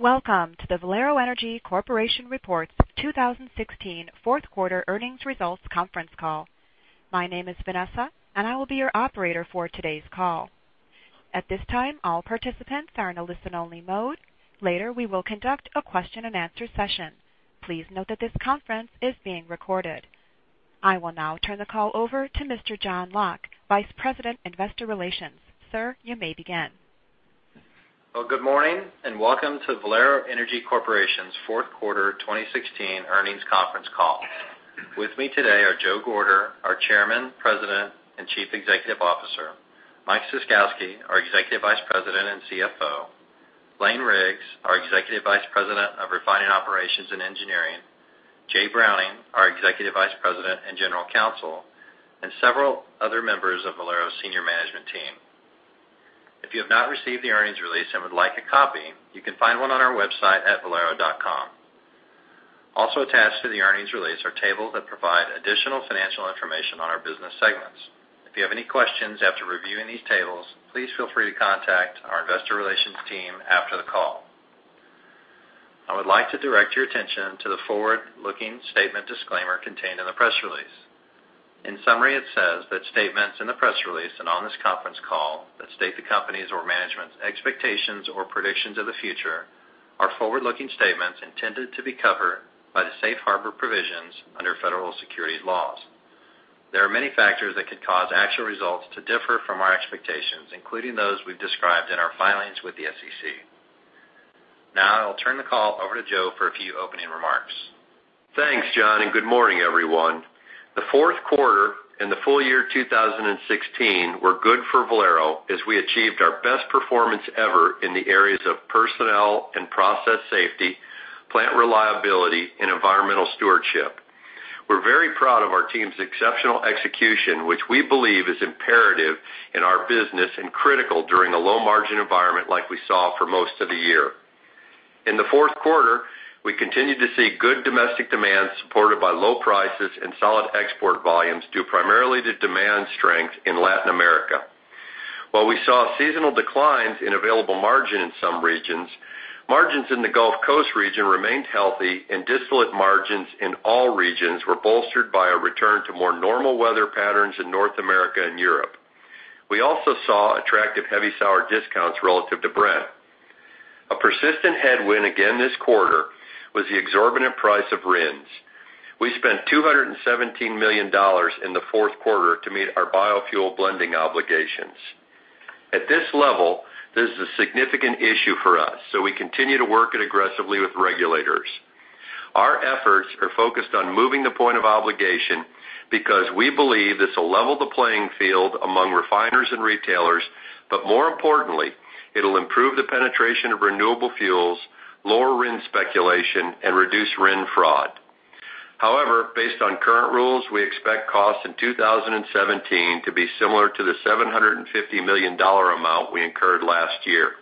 Welcome to the Valero Energy Corporation Reports 2016 fourth quarter earnings results conference call. My name is Vanessa, and I will be your operator for today's call. At this time, all participants are in a listen-only mode. Later, we will conduct a question and answer session. Please note that this conference is being recorded. I will now turn the call over to Mr. John Locke, Vice President, Investor Relations. Sir, you may begin. Well, good morning and welcome to Valero Energy Corporation's fourth quarter 2016 earnings conference call. With me today are Joe Gorder, our Chairman, President, and Chief Executive Officer; Mike Ciskowski, our Executive Vice President and CFO; Lane Riggs, our Executive Vice President of Refining Operations and Engineering; Jay Browning, our Executive Vice President and General Counsel, and several other members of Valero's senior management team. If you have not received the earnings release and would like a copy, you can find one on our website at valero.com. Also attached to the earnings release are tables that provide additional financial information on our business segments. If you have any questions after reviewing these tables, please feel free to contact our investor relations team after the call. I would like to direct your attention to the forward-looking statement disclaimer contained in the press release. In summary, it says that statements in the press release and on this conference call that state the company's or management's expectations or predictions of the future are forward-looking statements intended to be covered by the safe harbor provisions under federal securities laws. There are many factors that could cause actual results to differ from our expectations, including those we've described in our filings with the SEC. I'll turn the call over to Joe for a few opening remarks. Thanks, John, and good morning, everyone. The fourth quarter and the full year 2016 were good for Valero as we achieved our best performance ever in the areas of personnel and process safety, plant reliability, and environmental stewardship. We're very proud of our team's exceptional execution, which we believe is imperative in our business and critical during a low-margin environment like we saw for most of the year. In the fourth quarter, we continued to see good domestic demand supported by low prices and solid export volumes, due primarily to demand strength in Latin America. While we saw seasonal declines in available margin in some regions, margins in the Gulf Coast region remained healthy and distillate margins in all regions were bolstered by a return to more normal weather patterns in North America and Europe. We also saw attractive heavy sour discounts relative to Brent. A persistent headwind again this quarter was the exorbitant price of RINs. We spent $217 million in the fourth quarter to meet our biofuel blending obligations. At this level, this is a significant issue for us, so we continue to work it aggressively with regulators. Our efforts are focused on moving the point of obligation because we believe this will level the playing field among refiners and retailers, but more importantly, it'll improve the penetration of renewable fuels, lower RIN speculation, and reduce RIN fraud. However, based on current rules, we expect costs in 2017 to be similar to the $750 million amount we incurred last year.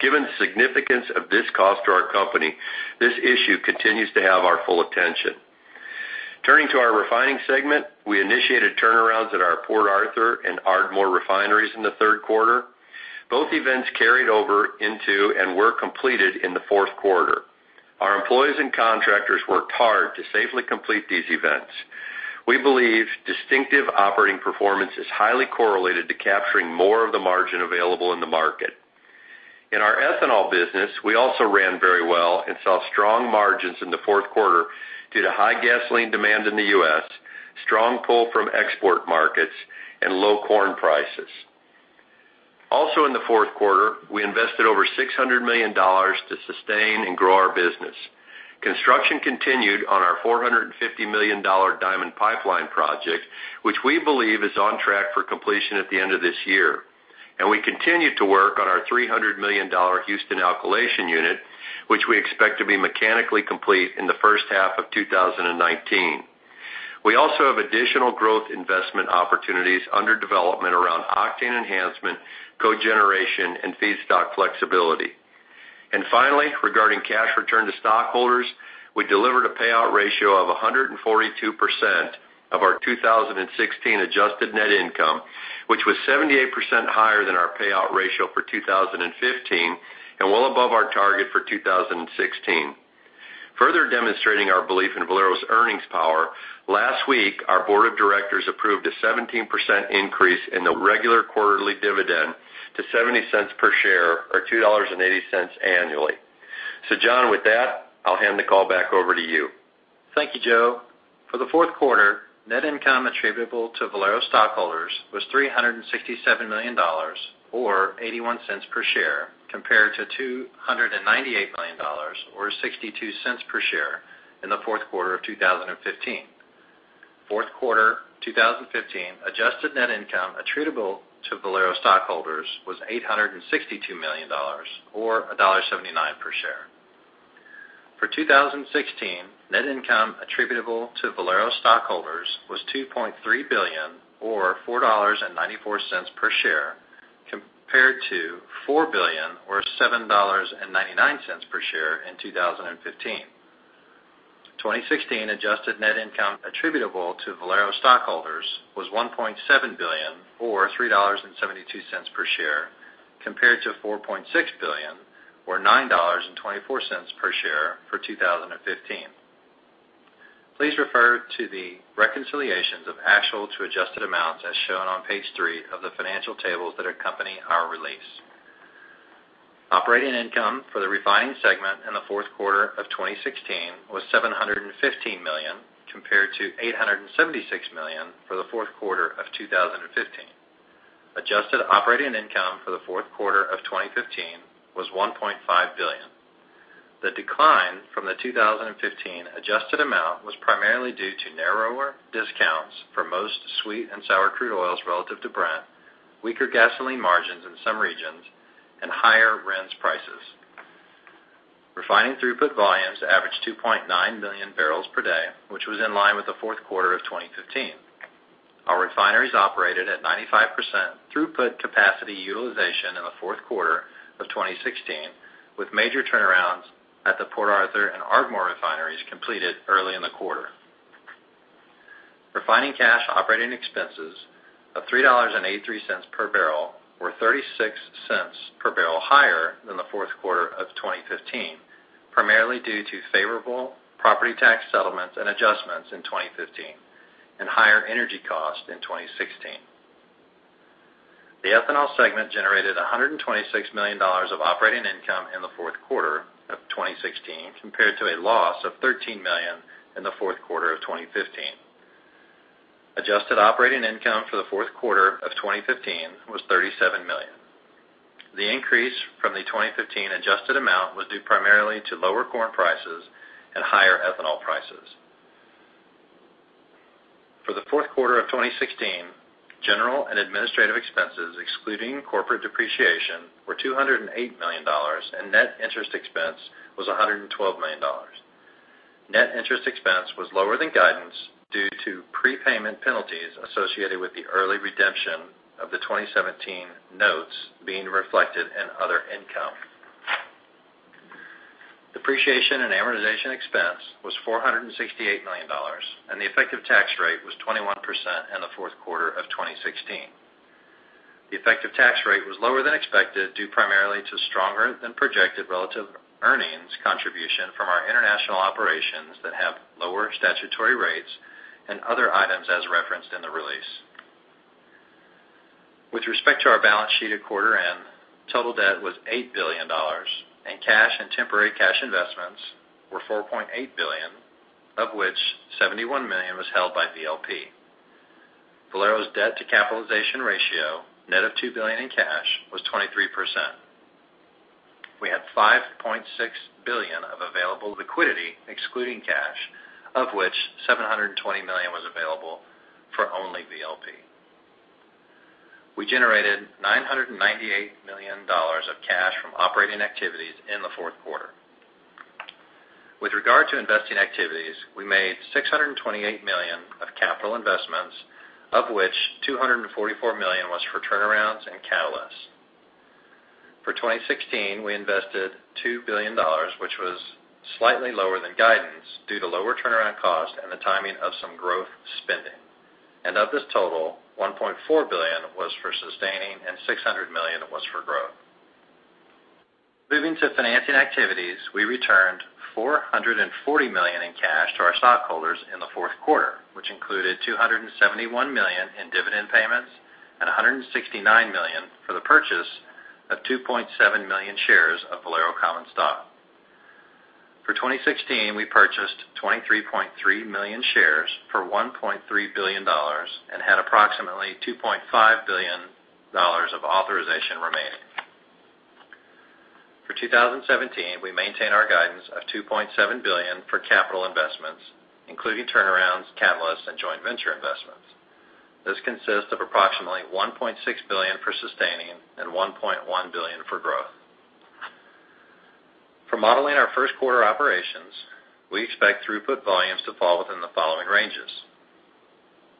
Given the significance of this cost to our company, this issue continues to have our full attention. Turning to our refining segment, we initiated turnarounds at our Port Arthur and Ardmore refineries in the third quarter. Both events carried over into and were completed in the fourth quarter. Our employees and contractors worked hard to safely complete these events. We believe distinctive operating performance is highly correlated to capturing more of the margin available in the market. In our ethanol business, we also ran very well and saw strong margins in the fourth quarter due to high gasoline demand in the U.S., strong pull from export markets, and low corn prices. Also in the fourth quarter, we invested over $600 million to sustain and grow our business. Construction continued on our $450 million Diamond Pipeline project, which we believe is on track for completion at the end of this year. We continue to work on our $300 million Houston Alkylation unit, which we expect to be mechanically complete in the first half of 2019. We also have additional growth investment opportunities under development around octane enhancement, cogeneration, and feedstock flexibility. Finally, regarding cash return to stockholders, we delivered a payout ratio of 142% of our 2016 adjusted net income, which was 78% higher than our payout ratio for 2015, and well above our target for 2016. Further demonstrating our belief in Valero's earnings power, last week, our board of directors approved a 17% increase in the regular quarterly dividend to $0.70 per share or $2.80 annually. John, with that, I'll hand the call back over to you. Thank you, Joe. For the fourth quarter, net income attributable to Valero stockholders was $367 million, or $0.81 per share, compared to $298 million or $0.62 per share in the fourth quarter of 2015. Fourth quarter 2015 adjusted net income attributable to Valero stockholders was $862 million or $1.79 per share. For 2016, net income attributable to Valero stockholders was $2.3 billion or $4.94 per share, compared to $4 billion or $7.99 per share in 2015. 2016 adjusted net income attributable to Valero stockholders was $1.7 billion or $3.72 per share, compared to $4.6 billion, or $9.24 per share for 2015. Please refer to the reconciliations of actual to adjusted amounts as shown on page three of the financial tables that accompany our release. Operating income for the refining segment in the fourth quarter of 2016 was $715 million, compared to $876 million for the fourth quarter of 2015. Adjusted operating income for the fourth quarter of 2015 was $1.5 billion. The decline from the 2015 adjusted amount was primarily due to narrower discounts for most sweet and sour crude oils relative to Brent, weaker gasoline margins in some regions, and higher RINs prices. Refining throughput volumes averaged 2.9 million barrels per day, which was in line with the fourth quarter of 2015. Our refineries operated at 95% throughput capacity utilization in the fourth quarter of 2016, with major turnarounds at the Port Arthur and Ardmore refineries completed early in the quarter. Refining cash operating expenses of $3.83 per barrel were $0.36 per barrel higher than the fourth quarter of 2015, primarily due to favorable property tax settlements and adjustments in 2015 and higher energy costs in 2016. The ethanol segment generated $126 million of operating income in the fourth quarter of 2016, compared to a loss of $13 million in the fourth quarter of 2015. Adjusted operating income for the fourth quarter of 2015 was $37 million. The increase from the 2015 adjusted amount was due primarily to lower corn prices and higher ethanol prices. For the fourth quarter of 2016, general and administrative expenses, excluding corporate depreciation, were $208 million, and net interest expense was $112 million. Net interest expense was lower than guidance due to prepayment penalties associated with the early redemption of the 2017 notes being reflected in other income. Depreciation and amortization expense was $468 million, and the effective tax rate was 21% in the fourth quarter of 2016. The effective tax rate was lower than expected, due primarily to stronger than projected relative earnings contribution from our international operations that have lower statutory rates and other items as referenced in the release. With respect to our balance sheet at quarter end, total debt was $8 billion and cash and temporary cash investments were $4.8 billion, of which $71 million was held by VLP. Valero's debt to capitalization ratio, net of $2 billion in cash, was 23%. We had $5.6 billion of available liquidity excluding cash, of which $720 million was available for only VLP. We generated $998 million of cash from operating activities in the fourth quarter. With regard to investing activities, we made $628 million of capital investments, of which $244 million was for turnarounds and catalysts. For 2016, we invested $2 billion, which was slightly lower than guidance due to lower turnaround costs and the timing of some growth spending. Of this total, $1.4 billion was for sustaining and $600 million was for growth. Moving to financing activities, we returned $440 million in cash to our stockholders in the fourth quarter, which included $271 million in dividend payments and $169 million for the purchase of 2.7 million shares of Valero common stock. For 2016, we purchased 23.3 million shares for $1.3 billion and had approximately $2.5 billion of authorization remaining. For 2017, we maintain our guidance of $2.7 billion for capital investments, including turnarounds, catalysts, and joint venture investments. This consists of approximately $1.6 billion for sustaining and $1.1 billion for growth. For modeling our first quarter operations, we expect throughput volumes to fall within the following ranges: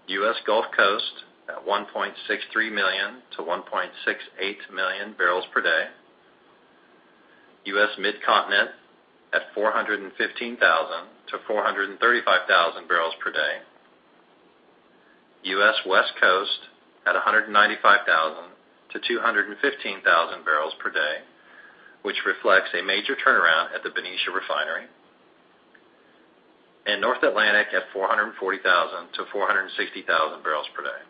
U.S. Gulf Coast at 1.63 million to 1.68 million barrels per day. U.S. Midcontinent at 415,000 to 435,000 barrels per day. U.S. West Coast at 195,000 to 215,000 barrels per day, which reflects a major turnaround at the Benicia Refinery. North Atlantic at 440,000 to 460,000 barrels per day.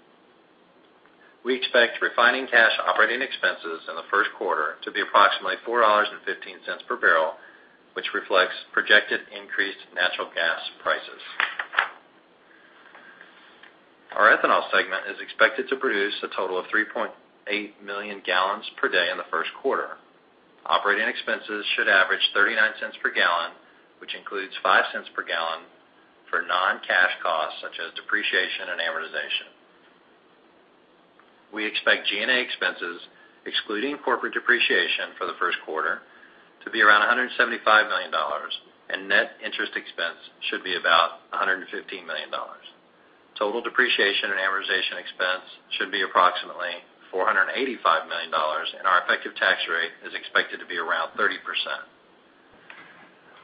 We expect refining cash operating expenses in the first quarter to be approximately $4.15 per barrel, which reflects projected increased natural gas prices. Our ethanol segment is expected to produce a total of 3.8 million gallons per day in the first quarter. Operating expenses should average $0.39 per gallon, which includes $0.05 per gallon for non-cash costs such as depreciation and amortization. We expect G&A expenses, excluding corporate depreciation for the first quarter, to be around $175 million. Net interest expense should be about $115 million. Total depreciation and amortization expense should be approximately $485 million. Our effective tax rate is expected to be around 30%.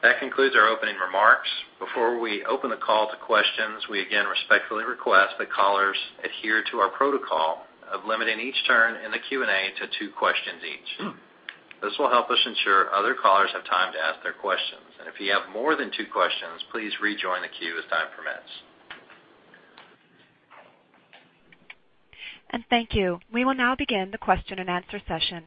That concludes our opening remarks. Before we open the call to questions, we again respectfully request that callers adhere to our protocol of limiting each turn in the Q&A to two questions each. This will help us ensure other callers have time to ask their questions. If you have more than two questions, please rejoin the queue as time permits. Thank you. We will now begin the question-and-answer session.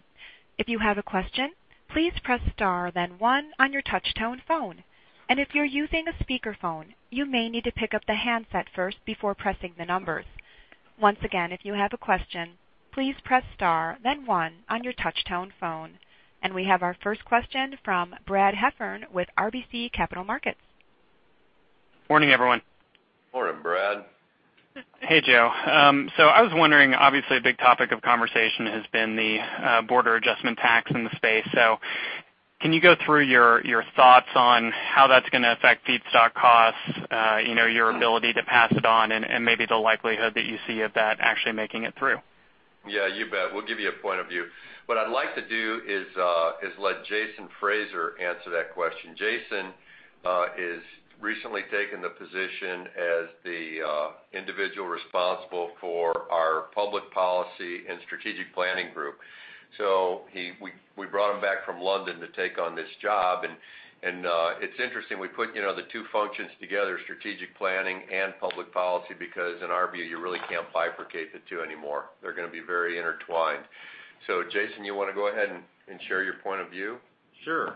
If you have a question, please press star, then one on your touch-tone phone. If you're using a speakerphone, you may need to pick up the handset first before pressing the numbers. Once again, if you have a question, please press star, then one on your touch-tone phone. We have our first question from Brad Heffern with RBC Capital Markets. Morning, everyone. Morning, Brad. Hey, Joe. I was wondering, obviously, a big topic of conversation has been the border adjustment tax in the space. Can you go through your thoughts on how that's going to affect feedstock costs, your ability to pass it on, and maybe the likelihood that you see of that actually making it through? Yeah, you bet. We'll give you a point of view. What I'd like to do is let Jason Fraser answer that question. Jason has recently taken the position as the individual responsible for our public policy and strategic planning group. We brought him back from London to take on this job. It's interesting, we put the two functions together, strategic planning and public policy, because in our view, you really can't bifurcate the two anymore. They're going to be very intertwined. Jason, you want to go ahead and share your point of view? Sure.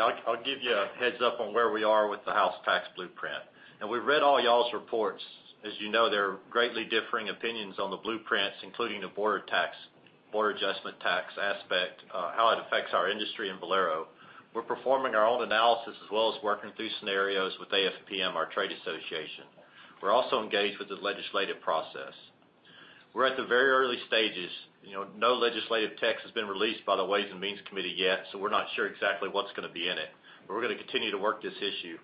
I'll give you a heads up on where we are with the House tax blueprint. We've read all y'all's reports. As you know, there are greatly differing opinions on the blueprints, including the border adjustment tax aspect, how it affects our industry and Valero. We're performing our own analysis, as well as working through scenarios with AFPM, our trade association. We're also engaged with the legislative process. We're at the very early stages. No legislative text has been released by the Ways and Means Committee yet, so we're not sure exactly what's going to be in it. We're going to continue to work this issue.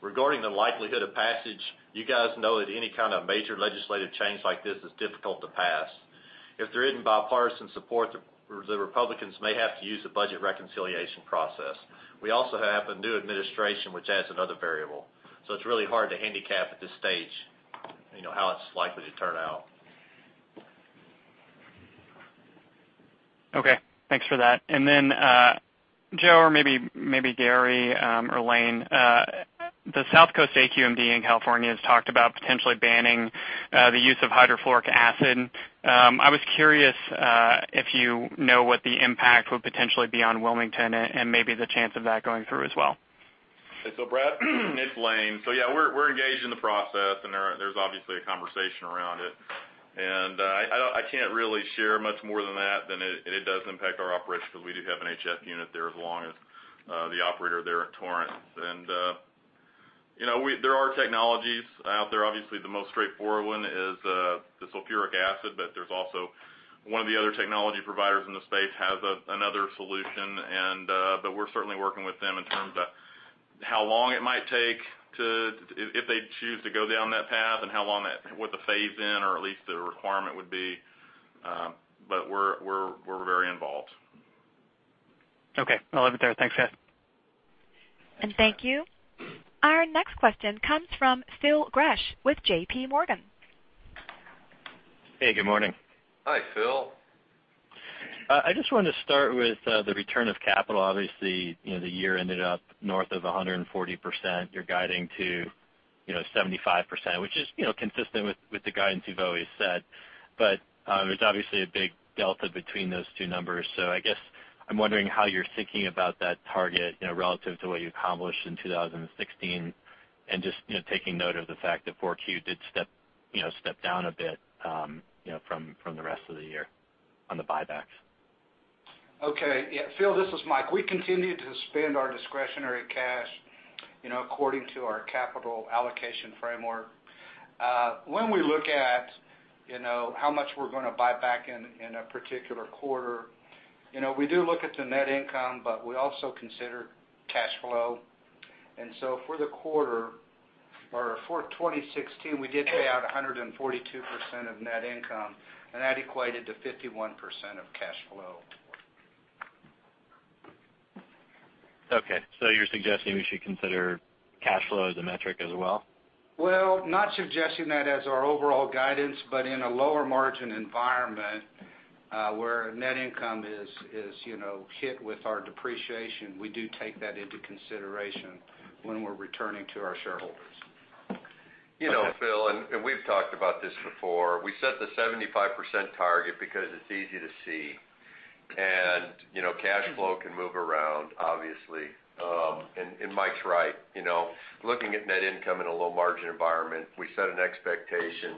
Regarding the likelihood of passage, you guys know that any kind of major legislative change like this is difficult to pass. If there isn't bipartisan support, the Republicans may have to use the budget reconciliation process. We also have a new administration, which adds another variable. It's really hard to handicap at this stage how it's likely to turn out. Okay. Thanks for that. Joe, or maybe Gary or Lane, the South Coast AQMD in California has talked about potentially banning the use of hydrofluoric acid. I was curious if you know what the impact would potentially be on Wilmington and maybe the chance of that going through as well. Brad, it's Lane. Yeah, we're engaged in the process, and there's obviously a conversation around it. I can't really share much more than that, and it does impact our operations because we do have an HF unit there as long as the operator there at Torrance. There are technologies out there. Obviously, the most straightforward one is the sulfuric acid, but there's also one of the other technology providers in the space has another solution. We're certainly working with them in terms of how long it might take if they choose to go down that path, and what the phase in or at least the requirement would be. We're very involved. Okay. I'll leave it there. Thanks. Yeah. Thank you. Our next question comes from Phil Gresh with JP Morgan. Hey, good morning. Hi, Phil. I just wanted to start with the return of capital. Obviously, the year ended up north of 140%. You're guiding to 75%, which is consistent with the guidance you've always set. There's obviously a big delta between those two numbers. I guess I'm wondering how you're thinking about that target relative to what you accomplished in 2016 and just taking note of the fact that 4Q did step down a bit from the rest of the year on the buybacks. Okay. Yeah, Phil, this is Mike. We continue to spend our discretionary cash according to our capital allocation framework. When we look at how much we're going to buy back in a particular quarter, we do look at the net income, we also consider cash flow. For the quarter or for 2016, we did pay out 142% of net income, and that equated to 51% of cash flow. Okay. You're suggesting we should consider cash flow as a metric as well? Well, not suggesting that as our overall guidance, in a lower margin environment where net income is hit with our depreciation, we do take that into consideration when we're returning to our shareholders. Phil, we've talked about this before. We set the 75% target because it's easy to see. Cash flow can move around, obviously. Mike's right. Looking at net income in a low margin environment, we set an expectation,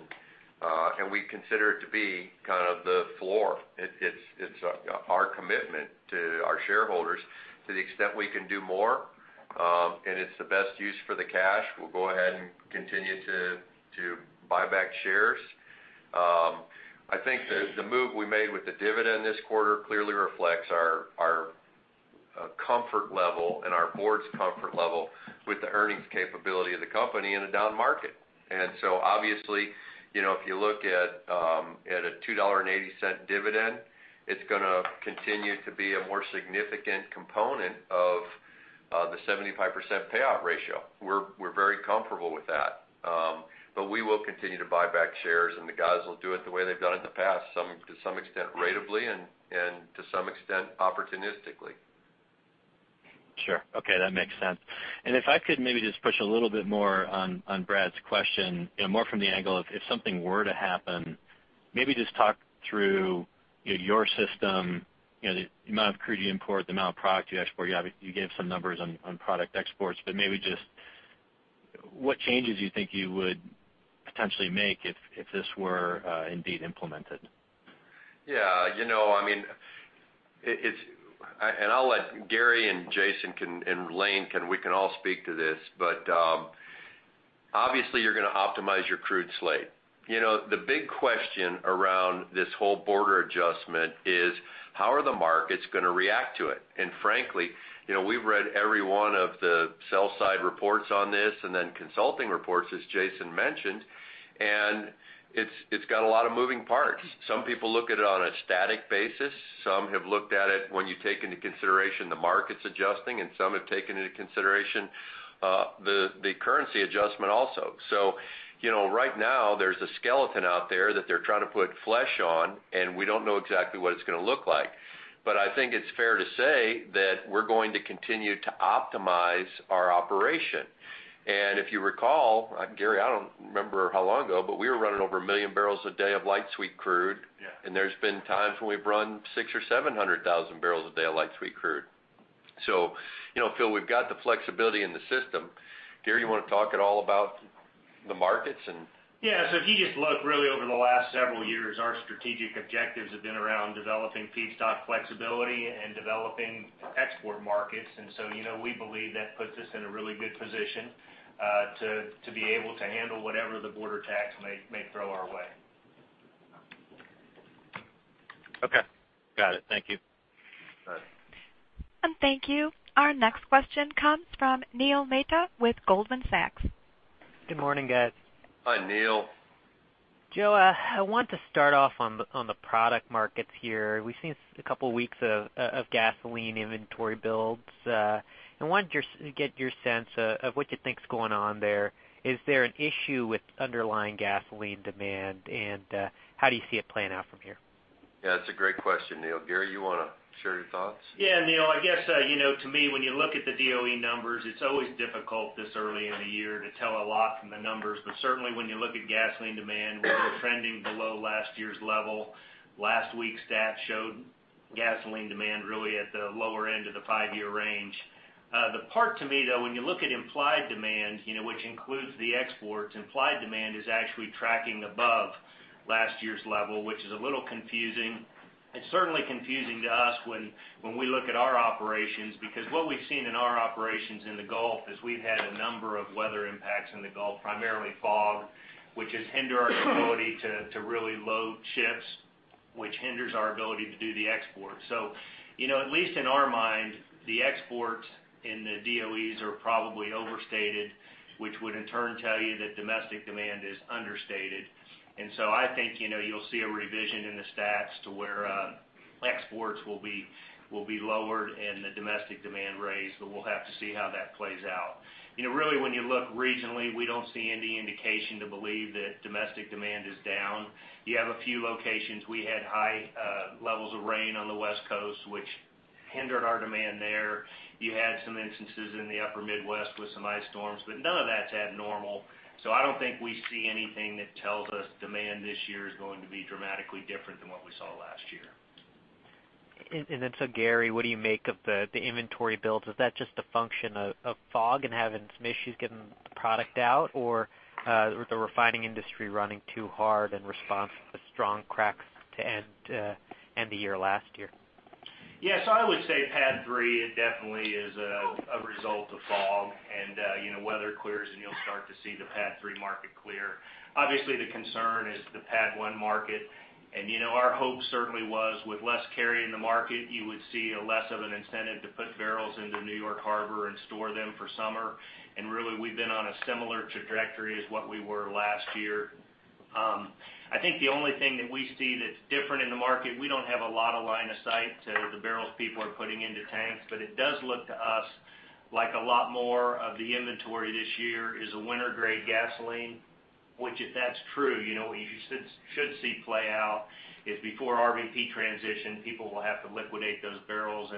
we consider it to be kind of the floor. It's our commitment to our shareholders to the extent we can do more, it's the best use for the cash, we'll go ahead and continue to buy back shares. I think the move we made with the dividend this quarter clearly reflects our level and our board's comfort level with the earnings capability of the company in a down market. Obviously, if you look at a $2.80 dividend, it's going to continue to be a more significant component of the 75% payout ratio. We're very comfortable with that. We will continue to buy back shares, the guys will do it the way they've done it in the past, to some extent ratably and to some extent opportunistically. Sure. Okay. That makes sense. If I could maybe just push a little bit more on Brad's question, more from the angle of if something were to happen, maybe just talk through your system, the amount of crude you import, the amount of product you export. You gave some numbers on product exports, maybe just what changes you think you would potentially make if this were indeed implemented. Yeah. I'll let Gary and Jason and Lane, we can all speak to this, obviously you're going to optimize your crude slate. The big question around this whole border adjustment is how are the markets going to react to it? Frankly, we've read every one of the sell side reports on this then consulting reports, as Jason mentioned, it's got a lot of moving parts. Some people look at it on a static basis. Some have looked at it when you take into consideration the markets adjusting, some have taken into consideration the currency adjustment also. Right now there's a skeleton out there that they're trying to put flesh on, we don't know exactly what it's going to look like. I think it's fair to say that we're going to continue to optimize our operation. If you recall, Gary, I don't remember how long ago, but we were running over 1 million barrels a day of light sweet crude. Yeah. There's been times when we've run 600,000 or 700,000 barrels a day of light sweet crude. Phil, we've got the flexibility in the system. Gary, you want to talk at all about the markets and. Yeah. If you just look really over the last several years, our strategic objectives have been around developing feedstock flexibility and developing export markets. We believe that puts us in a really good position to be able to handle whatever the border tax may throw our way. Okay. Got it. Thank you. All right. Thank you. Our next question comes from Neil Mehta with Goldman Sachs. Good morning, guys. Hi, Neil. Joe, I want to start off on the product markets here. We've seen a couple of weeks of gasoline inventory builds. I wanted to get your sense of what you think is going on there. Is there an issue with underlying gasoline demand? How do you see it playing out from here? Yeah, that's a great question, Neil. Gary, you want to share your thoughts? Yeah, Neil, I guess, to me, when you look at the DOE numbers, it's always difficult this early in the year to tell a lot from the numbers. Certainly when you look at gasoline demand, we're trending below last year's level. Last week's stats showed gasoline demand really at the lower end of the five-year range. The part to me, though, when you look at implied demand, which includes the exports, implied demand is actually tracking above last year's level, which is a little confusing. It's certainly confusing to us when we look at our operations, because what we've seen in our operations in the Gulf is we've had a number of weather impacts in the Gulf, primarily fog, which has hindered our ability to really load ships, which hinders our ability to do the export. At least in our mind, the exports in the DOEs are probably overstated, which would in turn tell you that domestic demand is understated. I think you'll see a revision in the stats to where exports will be lowered and the domestic demand raised, we'll have to see how that plays out. Really when you look regionally, we don't see any indication to believe that domestic demand is down. You have a few locations. We had high levels of rain on the West Coast, which hindered our demand there. You had some instances in the upper Midwest with some ice storms, but none of that's abnormal. I don't think we see anything that tells us demand this year is going to be dramatically different than what we saw last year. Gary, what do you make of the inventory builds? Is that just a function of fog and having some issues getting the product out? Or the refining industry running too hard in response to the strong cracks to end the year last year? Yes, I would say PADD 3 definitely is a result of fog, weather clears, and you'll start to see the PADD 3 market clear. Obviously, the concern is the PADD 1 market. Our hope certainly was with less carry in the market, you would see less of an incentive to put barrels into New York Harbor and store them for summer. Really, we've been on a similar trajectory as what we were last year. I think the only thing that we see that's different in the market, we don't have a lot of line of sight to the barrels people are putting into tanks, but it does look to us like a lot more of the inventory this year is a winter-grade gasoline, which if that's true, what you should see play out is before RVP transition, people will have to liquidate those barrels,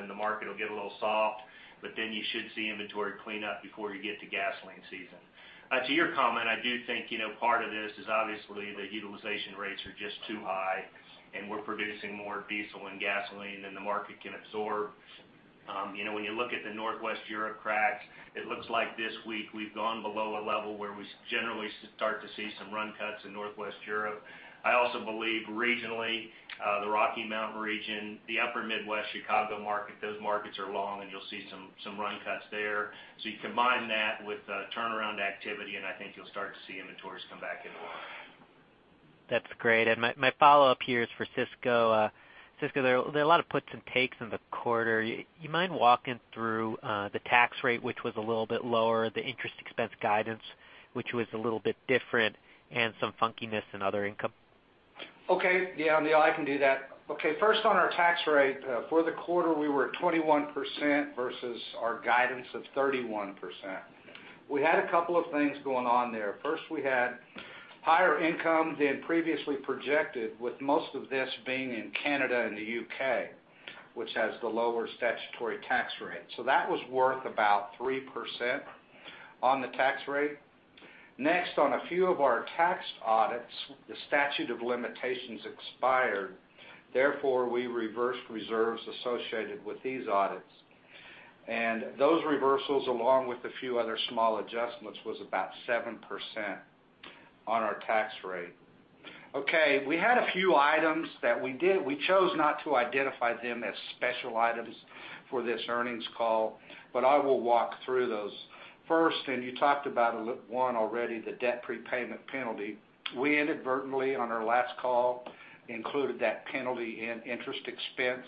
you should see inventory clean up before you get to gasoline season. To your comment, I do think part of this is obviously the utilization rates are just too high, and we're producing more diesel and gasoline than the market can absorb. When you look at the Northwest Europe cracks, it looks like this week we've gone below a level where we generally start to see some run cuts in Northwest Europe. I also believe regionally, the Rocky Mountain region, the upper Midwest Chicago market, those markets are long, you'll see some run cuts there. You combine that with turnaround activity, I think you'll start to see inventories come back in more. That's great. My follow-up here is for Cisco. Cisco, there are a lot of puts and takes in the quarter. You mind walking through the tax rate, which was a little bit lower, the interest expense guidance, which was a little bit different, and some funkiness in other income? Okay. Yeah, Neil, I can do that. Okay. First, on our tax rate. For the quarter, we were at 21% versus our guidance of 31%. We had a couple of things going on there. First, we had higher income than previously projected, with most of this being in Canada and the U.K., which has the lower statutory tax rate. That was worth about 3% on the tax rate. Next, on a few of our tax audits, the statute of limitations expired, therefore, we reversed reserves associated with these audits. Those reversals, along with a few other small adjustments, was about 7% on our tax rate. Okay. We had a few items that we did. We chose not to identify them as special items for this earnings call, but I will walk through those. First, you talked about one already, the debt prepayment penalty. We inadvertently, on our last call, included that penalty in interest expense.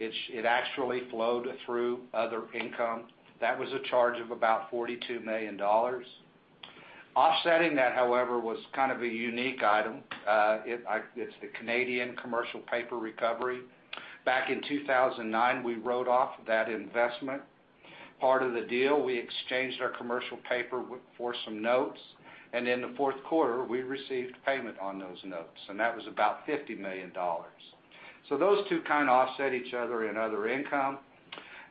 It actually flowed through other income. That was a charge of about $42 million. Offsetting that, however, was kind of a unique item. It's the Canadian commercial paper recovery. Back in 2009, we wrote off that investment. Part of the deal, we exchanged our commercial paper for some notes, and in the fourth quarter, we received payment on those notes, and that was about $50 million. Those two kind of offset each other in other income.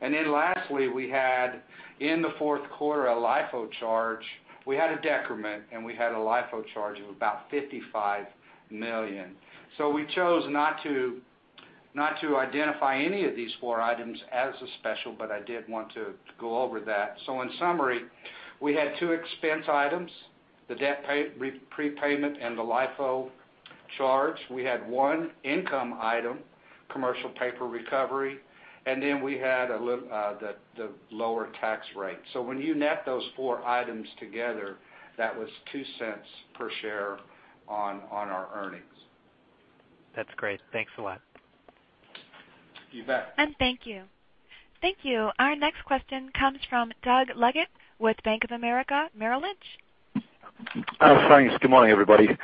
Lastly, we had, in the fourth quarter, a LIFO charge. We had a decrement, and we had a LIFO charge of about $55 million. We chose not to identify any of these four items as a special, but I did want to go over that. In summary, we had two expense items, the debt prepayment and the LIFO charge. We had one income item, commercial paper recovery, and then we had the lower tax rate. When you net those four items together, that was $0.02 per share on our earnings. That's great. Thanks a lot. You bet. Thank you. Thank you. Our next question comes from Doug Leggate with Bank of America Merrill Lynch. Thanks. Good morning, everybody.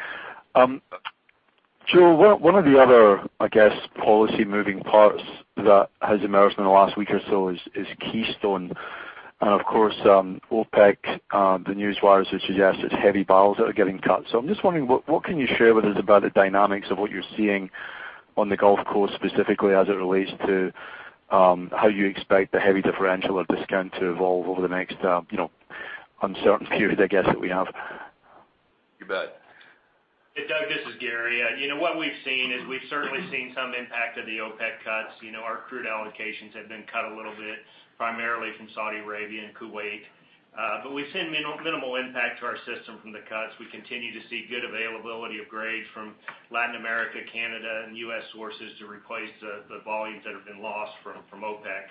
Joe, one of the other, I guess, policy-moving parts that has emerged in the last week or so is Keystone. Of course, OPEC, the news wire has suggested heavy barrels that are getting cut. I'm just wondering, what can you share with us about the dynamics of what you're seeing on the Gulf Coast, specifically as it relates to how you expect the heavy differential or discount to evolve over the next uncertain period, I guess, that we have? You bet Hey, Doug, this is Gary. What we've seen is we've certainly seen some impact of the OPEC cuts. Our crude allocations have been cut a little bit, primarily from Saudi Arabia and Kuwait. We've seen minimal impact to our system from the cuts. We continue to see good availability of grades from Latin America, Canada, and U.S. sources to replace the volumes that have been lost from OPEC.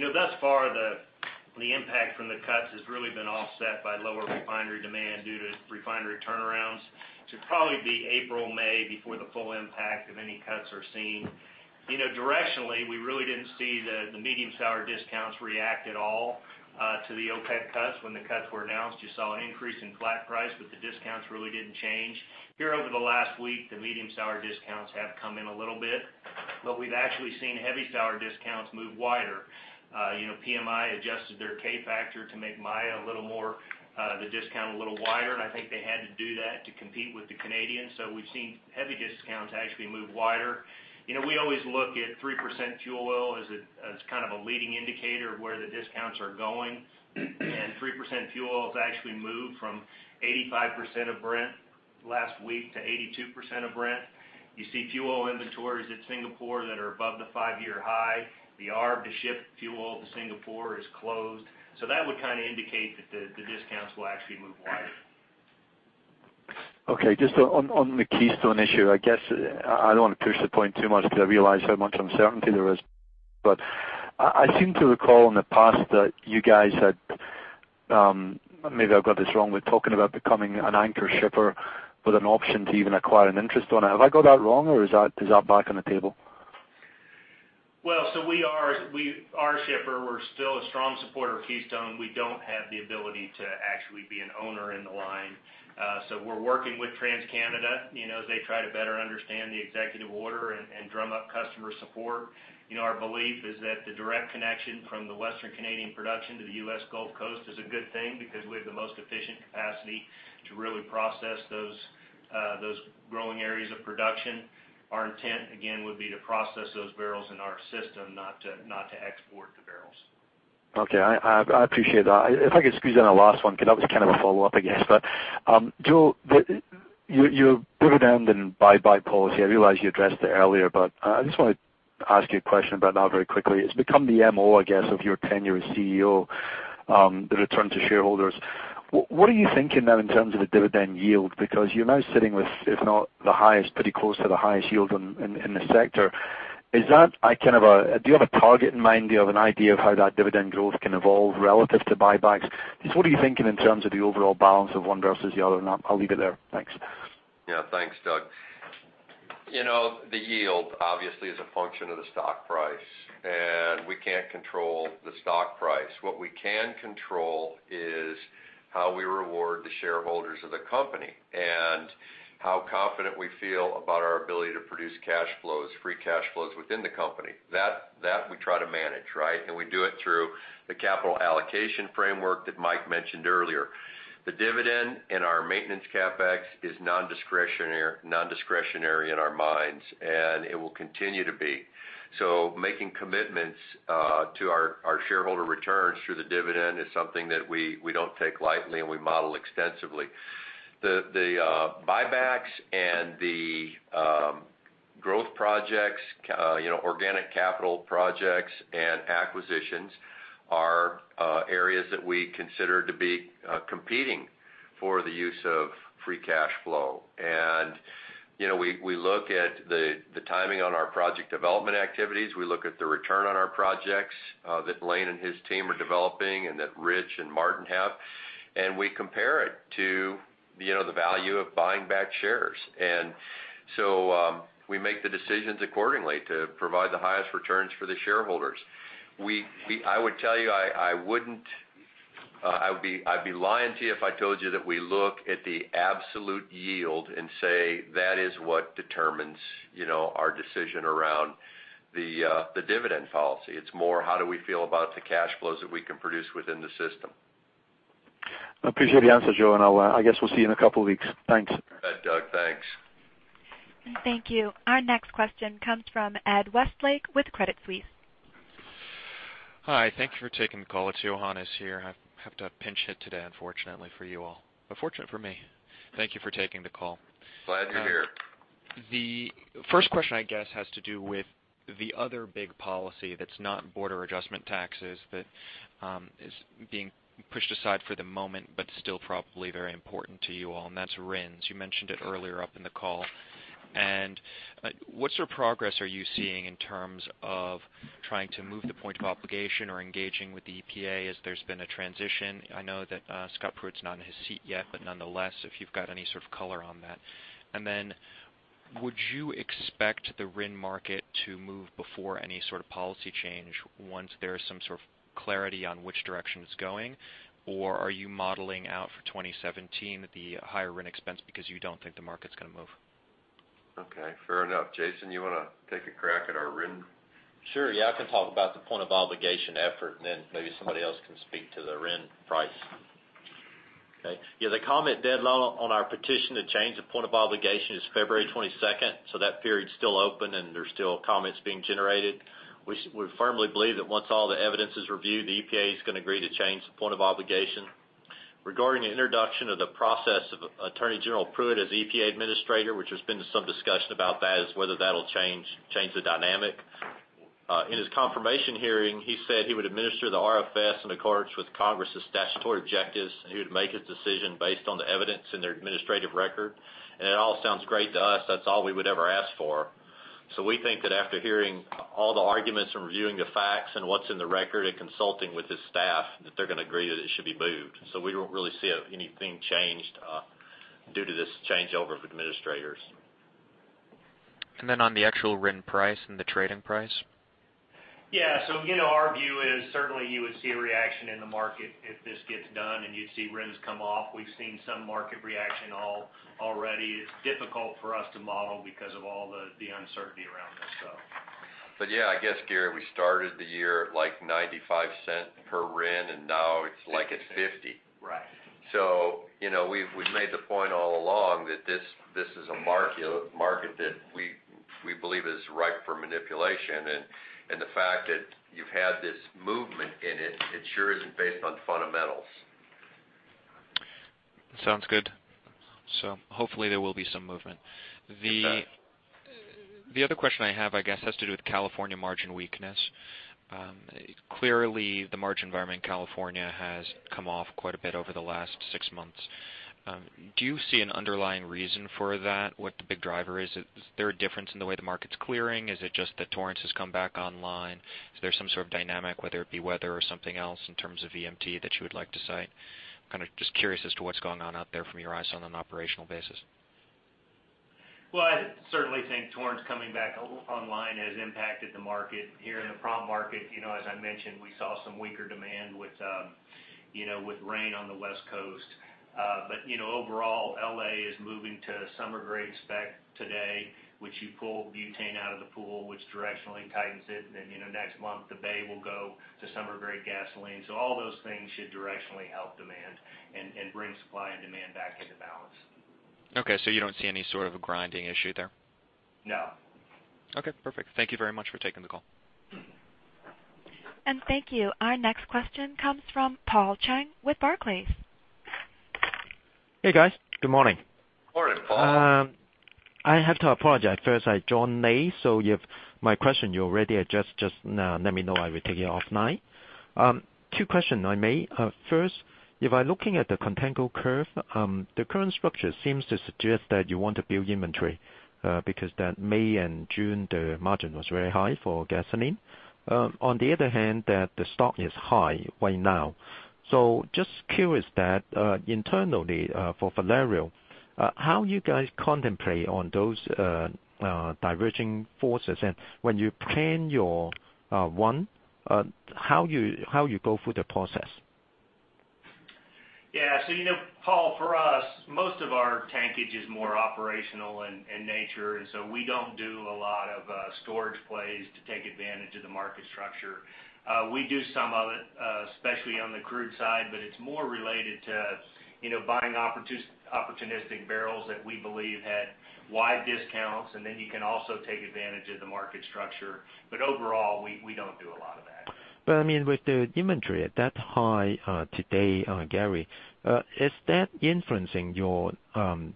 Thus far, the impact from the cuts has really been offset by lower refinery demand due to refinery turnarounds. Should probably be April or May before the full impact of any cuts are seen. Directionally, we really didn't see the medium sour discounts react at all to the OPEC cuts. When the cuts were announced, you saw an increase in flat price, the discounts really didn't change. Here over the last week, the medium sour discounts have come in a little bit. We've actually seen heavy sour discounts move wider. PMI adjusted their K factor to make Maya the discount a little wider, and I think they had to do that to compete with the Canadians. We've seen heavy discounts actually move wider. We always look at 3% fuel oil as kind of a leading indicator of where the discounts are going. 3% fuel oil has actually moved from 85% of Brent last week to 82% of Brent. You see fuel oil inventories at Singapore that are above the five-year high. The arb to ship fuel to Singapore is closed. That would kind of indicate that the discounts will actually move wider. Okay. Just on the Keystone issue, I guess I don't want to push the point too much because I realize how much uncertainty there is. I seem to recall in the past that you guys had, maybe I've got this wrong, were talking about becoming an anchor shipper with an option to even acquire an interest on it. Have I got that wrong, or is that back on the table? We are a shipper. We're still a strong supporter of Keystone. We don't have the ability to actually be an owner in the line. We're working with TransCanada as they try to better understand the executive order and drum up customer support. Our belief is that the direct connection from the Western Canadian production to the U.S. Gulf Coast is a good thing because we have the most efficient capacity to really process those growing areas of production. Our intent, again, would be to process those barrels in our system, not to export the barrels. Okay. I appreciate that. If I could squeeze in a last one, because that was kind of a follow-up, I guess. Joe, your dividend and buyback policy, I realize you addressed it earlier, but I just want to ask you a question about that very quickly. It's become the MO, I guess, of your tenure as CEO, the return to shareholders. What are you thinking now in terms of the dividend yield? Because you're now sitting with, if not the highest, pretty close to the highest yield in the sector. Is that a kind of a do you have a target in mind? Do you have an idea of how that dividend growth can evolve relative to buybacks? Just what are you thinking in terms of the overall balance of one versus the other? I'll leave it there. Thanks. Yeah. Thanks, Doug. The yield obviously is a function of the stock price, we can't control the stock price. What we can control is how we reward the shareholders of the company, how confident we feel about our ability to produce cash flows, free cash flows within the company. That we try to manage, right? We do it through the capital allocation framework that Mike mentioned earlier. The dividend and our maintenance CapEx is nondiscretionary in our minds, it will continue to be. Making commitments to our shareholder returns through the dividend is something that we don't take lightly, we model extensively. The buybacks and the growth projects, organic capital projects and acquisitions are areas that we consider to be competing for the use of free cash flow. We look at the timing on our project development activities. We look at the return on our projects that Lane and his team are developing that Rich and Martin have, we compare it to the value of buying back shares. We make the decisions accordingly to provide the highest returns for the shareholders. I would tell you, I'd be lying to you if I told you that we look at the absolute yield and say that is what determines our decision around the dividend policy. It's more how do we feel about the cash flows that we can produce within the system. I appreciate the answer, Joe, I guess we'll see you in a couple of weeks. Thanks. You bet, Doug. Thanks. Thank you. Our next question comes from Ed Westlake with Credit Suisse. Hi. Thank you for taking the call. It's Johannes here. I have to pinch hit today, unfortunately for you all, but fortunate for me. Thank you for taking the call. Glad you're here. The first question, I guess, has to do with the other big policy that's not border adjustment taxes, that is being pushed aside for the moment but still probably very important to you all, and that's RINs. You mentioned it earlier up in the call. What sort of progress are you seeing in terms of trying to move the point of obligation or engaging with the EPA as there's been a transition? I know that Scott Pruitt's not in his seat yet, but nonetheless, if you've got any sort of color on that. Then would you expect the RIN market to move before any sort of policy change once there is some sort of clarity on which direction it's going? Or are you modeling out for 2017 the higher RIN expense because you don't think the market's going to move? Okay, fair enough. Jason, you want to take a crack at our RIN? Sure. Yeah, I can talk about the point of obligation effort. Then maybe somebody else can speak to the RIN price. Okay. Yeah, the comment deadline on our petition to change the point of obligation is February 22nd, that period's still open and there's still comments being generated. We firmly believe that once all the evidence is reviewed, the EPA is going to agree to change the point of obligation. Regarding the introduction of the process of Attorney General Pruitt as EPA Administrator, which there's been some discussion about that, is whether that'll change the dynamic. In his confirmation hearing, he said he would administer the RFS in accordance with Congress's statutory objectives, and he would make his decision based on the evidence in their administrative record. It all sounds great to us. That's all we would ever ask for. We think that after hearing all the arguments and reviewing the facts and what's in the record and consulting with his staff, that they're going to agree that it should be moved. We don't really see anything changed due to this changeover of administrators. On the actual RIN price and the trading price? Our view is certainly you would see a reaction in the market if this gets done, and you'd see RINs come off. We've seen some market reaction already. It's difficult for us to model because of all the uncertainty around this stuff. Gary, we started the year at $0.95 per RIN, and now it's like at $0.50. Right. We've made the point all along that this is a market that we believe is ripe for manipulation. The fact that you've had this movement in it sure isn't based on fundamentals. Sounds good. Hopefully there will be some movement. You bet. The other question I have, I guess, has to do with California margin weakness. Clearly, the margin environment in California has come off quite a bit over the last six months. Do you see an underlying reason for that, what the big driver is? Is there a difference in the way the market's clearing? Is it just that Torrance has come back online? Is there some sort of dynamic, whether it be weather or something else in terms of VMT that you would like to cite? I'm kind of just curious as to what's going on out there from your eyes on an operational basis. I certainly think Torrance coming back online has impacted the market here in the product market. As I mentioned, we saw some weaker demand with rain on the West Coast. Overall, L.A. is moving to summer-grade spec today, which you pull butane out of the pool, which directionally tightens it. Next month, the Bay will go to summer-grade gasoline. All those things should directionally help demand and bring supply and demand back into balance. Okay. You don't see any sort of a grinding issue there? No. Okay, perfect. Thank you very much for taking the call. Thank you. Our next question comes from Paul Cheng with Barclays. Hey, guys. Good morning. Morning, Paul. I have to apologize first. I joined late, so if my question you already addressed, just let me know. I will take it offline. Two question, I may. First, if I'm looking at the contango curve, the current structure seems to suggest that you want to build inventory, because that May and June, the margin was very high for gasoline. On the other hand, that the stock is high right now. Just curious that internally, for Valero, how you guys contemplate on those diverging forces and when you plan your run, how you go through the process? Yeah. Paul, for us, most of our tankage is more operational in nature, and so we don't do a lot of storage plays to take advantage of the market structure. We do some of it, especially on the crude side, but it's more related to buying opportunistic barrels that we believe had wide discounts, and then you can also take advantage of the market structure. Overall, we don't do a lot of that. With the inventory at that high today, Gary, is that influencing your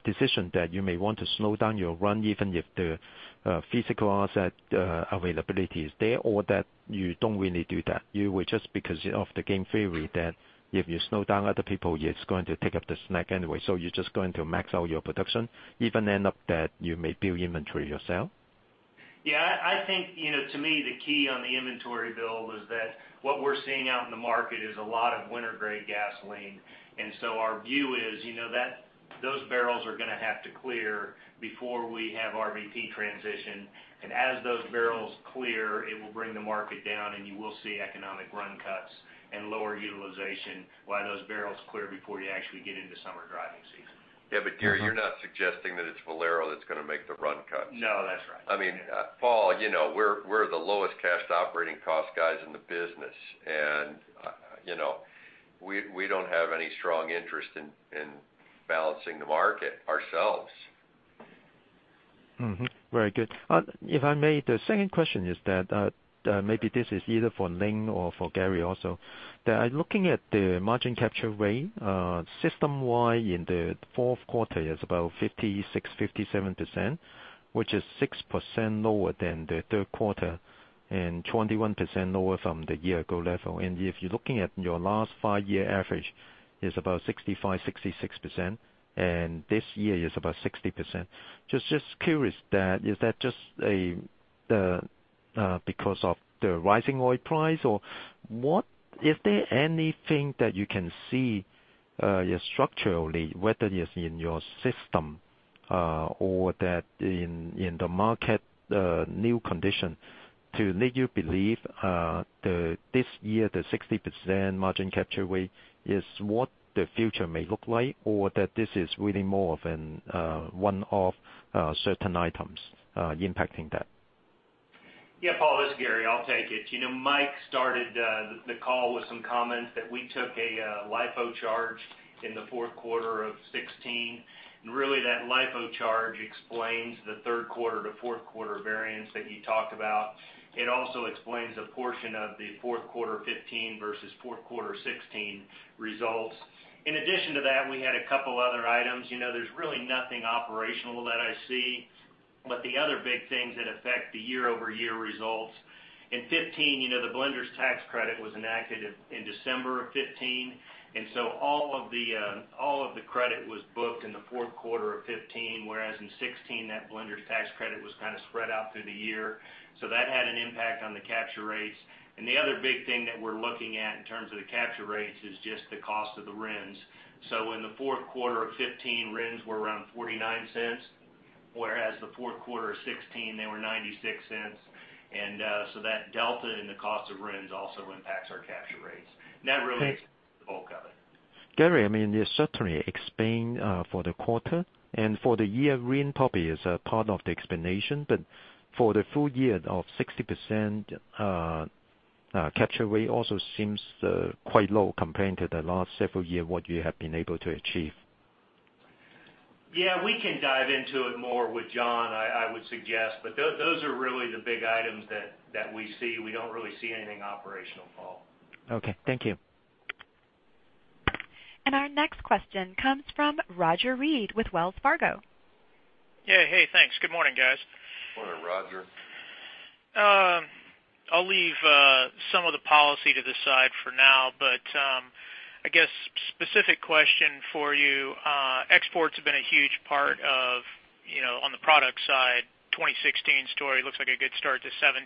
decision that you may want to slow down your run, even if the physical asset availability is there, or that you don't really do that? You would just because of the game theory that if you slow down other people, it's going to take up the slack anyway, so you're just going to max out your production, even end up that you may build inventory yourself? Yeah, I think, to me, the key on the inventory build is that what we're seeing out in the market is a lot of winter-grade gasoline. Our view is, those barrels are going to have to clear before we have RVP transition. As those barrels clear, it will bring the market down and you will see economic run cuts and lower utilization while those barrels clear before you actually get into summer driving season. Yeah, Gary, you're not suggesting that it's Valero that's going to make the run cuts. No, that's right. Paul, we're the lowest cash operating cost guys in the business. We don't have any strong interest in balancing the market ourselves. Very good. If I may, the second question is that, maybe this is either for Lane or for Gary also, that looking at the margin capture rate system-wide in the fourth quarter is about 56%-57%, which is 6% lower than the third quarter and 21% lower from the year ago level. If you're looking at your last five-year average, it's about 65%-66%, and this year it's about 60%. Just curious, is that just because of the rising oil price, or is there anything that you can see structurally, whether it's in your system or that in the market, new condition to make you believe this year, the 60% margin capture rate is what the future may look like, or that this is really more of a one-off certain items impacting that? Yeah, Paul, this is Gary. I'll take it. Mike started the call with some comments that we took a LIFO charge in the fourth quarter of 2016. Really, that LIFO charge explains the third quarter to fourth quarter variance that you talked about. It also explains a portion of the fourth quarter 2015 versus fourth quarter 2016 results. In addition to that, we had a couple other items. There's really nothing operational that I see. The other big things that affect the year-over-year results, in 2015, the blenders tax credit was enacted in December of 2015. All of the credit was booked in the fourth quarter of 2015, whereas in 2016, that blenders tax credit was kind of spread out through the year. That had an impact on the capture rates. The other big thing that we're looking at in terms of the capture rates is just the cost of the RINs. In the fourth quarter of 2015, RINs were around $0.49, whereas the fourth quarter of 2016, they were $0.96. That delta in the cost of RINs also impacts our capture rates. That really is the bulk of it. Gary, it certainly explain for the quarter. For the year, RIN probably is a part of the explanation, for the full year of 60% capture rate also seems quite low compared to the last several year what you have been able to achieve. Yeah, we can dive into it more with John, I would suggest, those are really the big items that we see. We don't really see anything operational, Paul. Okay. Thank you. Our next question comes from Roger Read with Wells Fargo. Yeah. Hey, thanks. Good morning, guys. Morning, Roger. I'll leave some of the policy to the side for now, but I guess specific question for you. Exports have been a huge part of on the product side, 2016 story. Looks like a good start to 2017.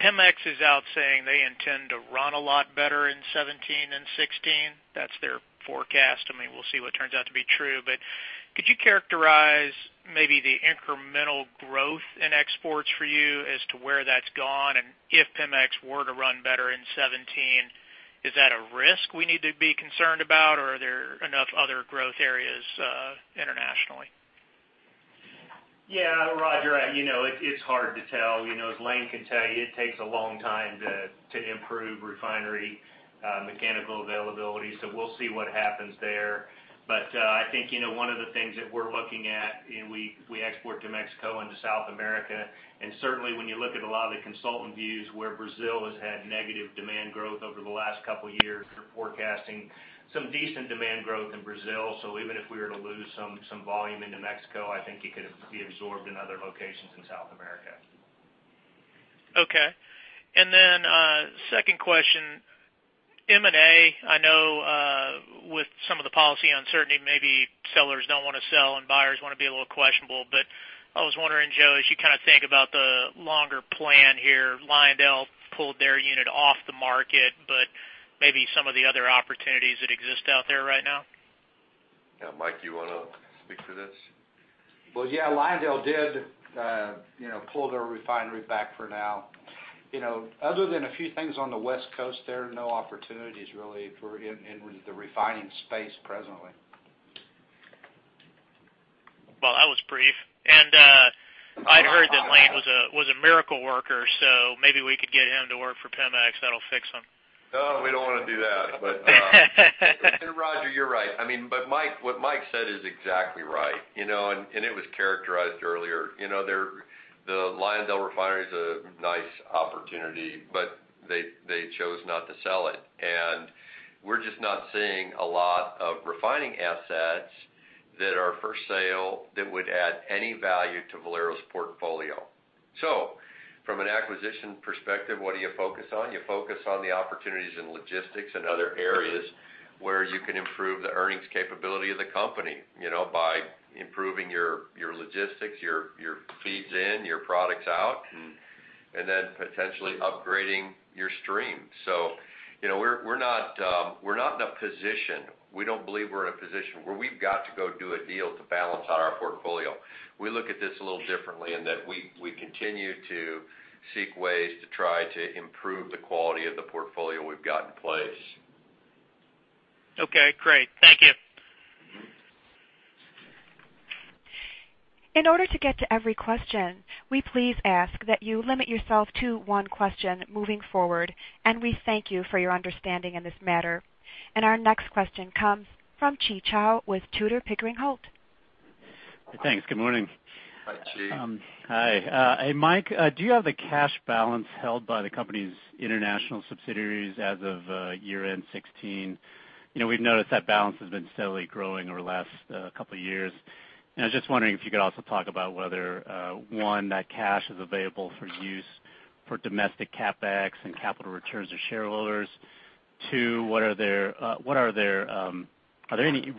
Pemex is out saying they intend to run a lot better in 2017 than 2016. That's their forecast. We'll see what turns out to be true. Could you characterize maybe the incremental growth in exports for you as to where that's gone? If Pemex were to run better in 2017, is that a risk we need to be concerned about, or are there enough other growth areas internationally? Yeah. Roger, it's hard to tell. As Lane can tell you, it takes a long time to improve refinery mechanical availability, so we'll see what happens there. I think one of the things that we're looking at, and we export to Mexico and to South America, and certainly when you look at a lot of the consultant views where Brazil has had negative demand growth over the last couple of years, they're forecasting some decent demand growth in Brazil. Even if we were to lose some volume into Mexico, I think it could be absorbed in other locations in South America. Second question. M&A, I know with some of the policy uncertainty, maybe sellers don't want to sell and buyers want to be a little questionable. I was wondering, Joe, as you think about the longer plan here, LyondellBasell pulled their unit off the market, but maybe some of the other opportunities that exist out there right now. Yeah. Mike, you want to speak to this? Well, yeah, LyondellBasell did pull their refinery back for now. Other than a few things on the West Coast, there are no opportunities really for in the refining space presently. Well, that was brief. I'd heard that Lane was a miracle worker, so maybe we could get him to work for Pemex. That'll fix him. Oh, we don't want to do that. Roger, you're right. What Mike said is exactly right. It was characterized earlier. The LyondellBasell refinery is a nice opportunity, but they chose not to sell it. We're just not seeing a lot of refining assets that are for sale that would add any value to Valero's portfolio. From an acquisition perspective, what do you focus on? You focus on the opportunities in logistics and other areas where you can improve the earnings capability of the company by improving your logistics, your feeds in, your products out, and then potentially upgrading your stream. We're not in a position, we don't believe we're in a position where we've got to go do a deal to balance out our portfolio. We look at this a little differently in that we continue to seek ways to try to improve the quality of the portfolio we've got in place. Okay, great. Thank you. In order to get to every question, we please ask that you limit yourself to one question moving forward, and we thank you for your understanding in this matter. Our next question comes from Chi Chow with Tudor, Pickering, Holt & Co. Thanks. Good morning. Hi, Chi. Hi. Mike, do you have the cash balance held by the company's international subsidiaries as of year-end 2016? We've noticed that balance has been steadily growing over the last couple of years, and I was just wondering if you could also talk about whether, one, that cash is available for use for domestic CapEx and capital returns to shareholders. Two, are there any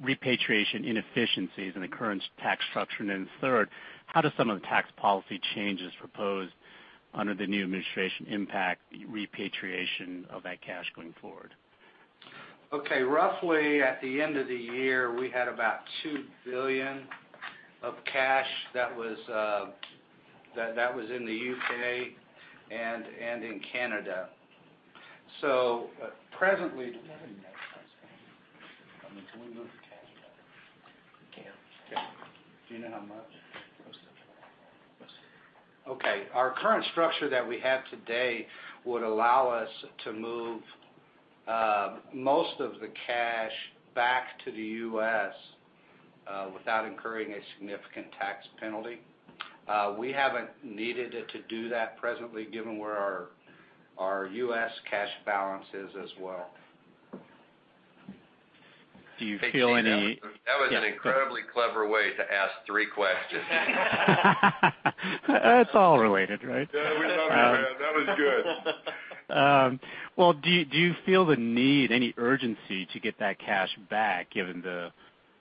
repatriation inefficiencies in the current tax structure? Third, how do some of the tax policy changes proposed under the new administration impact the repatriation of that cash going forward? Okay. Roughly at the end of the year, we had about $2 billion of cash that was in the U.K. and in Canada. Do we have any net cash? I mean, can we move the cash around? We can. Okay. Do you know how much? Most of it. Most of it. Okay. Our current structure that we have today would allow us to move most of the cash back to the U.S. without incurring a significant tax penalty. We haven't needed it to do that presently, given where our U.S. cash balance is as well. Do you feel any. That was an incredibly clever way to ask three questions. It's all related, right? Yeah. We love it, man. That was good. Well, do you feel the need, any urgency to get that cash back given the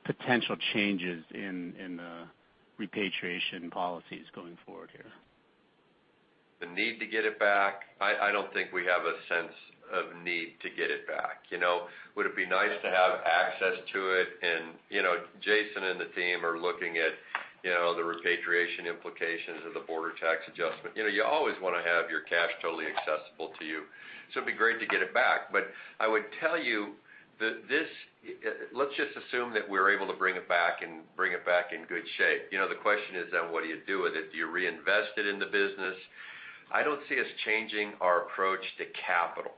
potential changes in the repatriation policies going forward here? The need to get it back, I don't think we have a sense of need to get it back. Would it be nice to have access to it? Jason and the team are looking at the repatriation implications of the border tax adjustment. You always want to have your cash totally accessible to you, so it'd be great to get it back. I would tell you that this let's just assume that we're able to bring it back and bring it back in good shape. The question is then, what do you do with it? Do you reinvest it in the business? I don't see us changing our approach to capital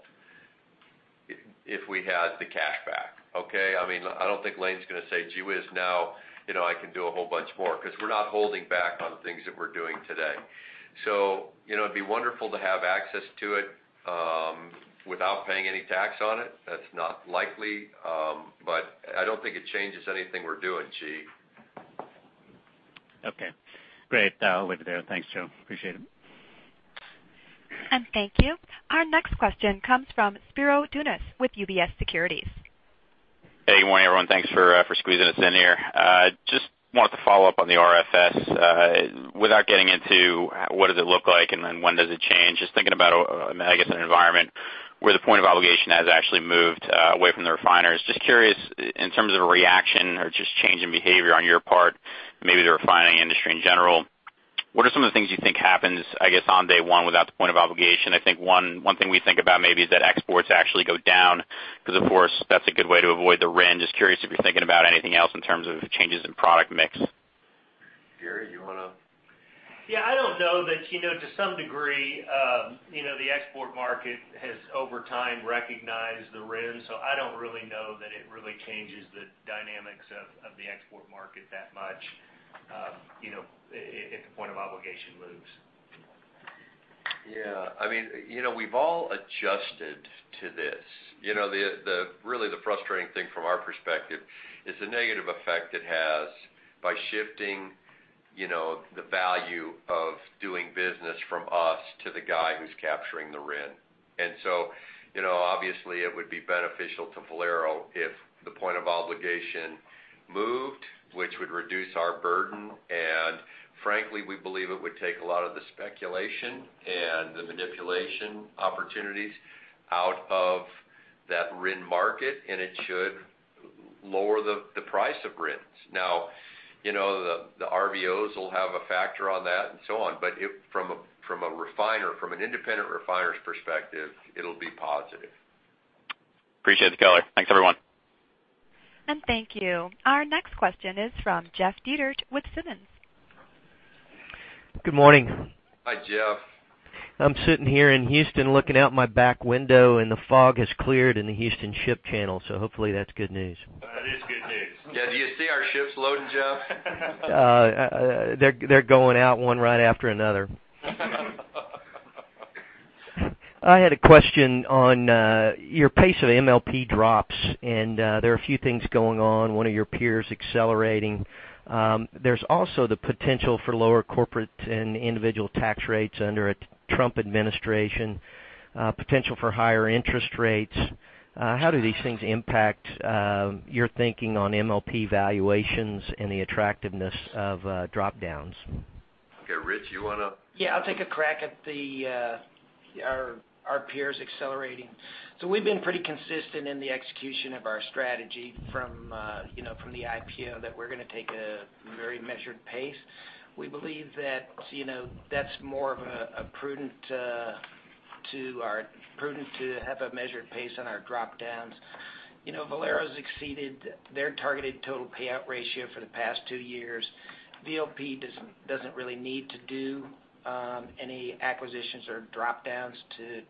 if we had the cash back. Okay? I don't think Lane's going to say, "Gee whiz, now I can do a whole bunch more," because we're not holding back on the things that we're doing today. It'd be wonderful to have access to it without paying any tax on it. That's not likely. I don't think it changes anything we're doing, Qi. Okay, great. I'll leave it there. Thanks, Joe. Appreciate it. Thank you. Our next question comes from Spiro Dounis with UBS Securities. Hey, good morning, everyone. Thanks for squeezing us in here. Just wanted to follow up on the RFS. Without getting into what does it look like and then when does it change, just thinking about, I guess, an environment where the point of obligation has actually moved away from the refiners. Just curious, in terms of a reaction or just change in behavior on your part, maybe the refining industry in general, what are some of the things you think happens, I guess, on day one without the point of obligation? I think one thing we think about maybe is that exports actually go down because of course, that's a good way to avoid the RIN. Just curious if you're thinking about anything else in terms of changes in product mix. Gary, you want to. Yeah, I don't know that to some degree the export market has over time recognized the RIN, so I don't really know that it really changes the dynamics of the export market that much if the point of obligation moves. We've all adjusted to this. Really the frustrating thing from our perspective is the negative effect it has by shifting the value of doing business from us to the guy who's capturing the RIN. Obviously it would be beneficial to Valero if the point of obligation moved, which would reduce our burden, and frankly, we believe it would take a lot of the speculation and the manipulation opportunities out of that RIN market, and it should lower the price of RINs. Now, the RVOs will have a factor on that and so on, but from an independent refiner's perspective, it'll be positive. Appreciate the color. Thanks everyone. Thank you. Our next question is from Jeff Dietert with Simmons. Good morning. Hi, Jeff. I'm sitting here in Houston looking out my back window, and the fog has cleared in the Houston Ship Channel, so hopefully that's good news. That is good news. Yeah. Do you see our ships loading, Jeff? They're going out one right after another. I had a question on your pace of MLP drops, and there are a few things going on, one of your peers accelerating. There's also the potential for lower corporate and individual tax rates under a Trump administration, potential for higher interest rates. How do these things impact your thinking on MLP valuations and the attractiveness of drop-downs? Okay, Rich, you want to- Yeah, I'll take a crack at our peers accelerating. We've been pretty consistent in the execution of our strategy from the IPO that we're going to take a very measured pace. We believe that's more prudent to have a measured pace on our drop-downs. Valero's exceeded their targeted total payout ratio for the past two years. VLP doesn't really need to do any acquisitions or drop-downs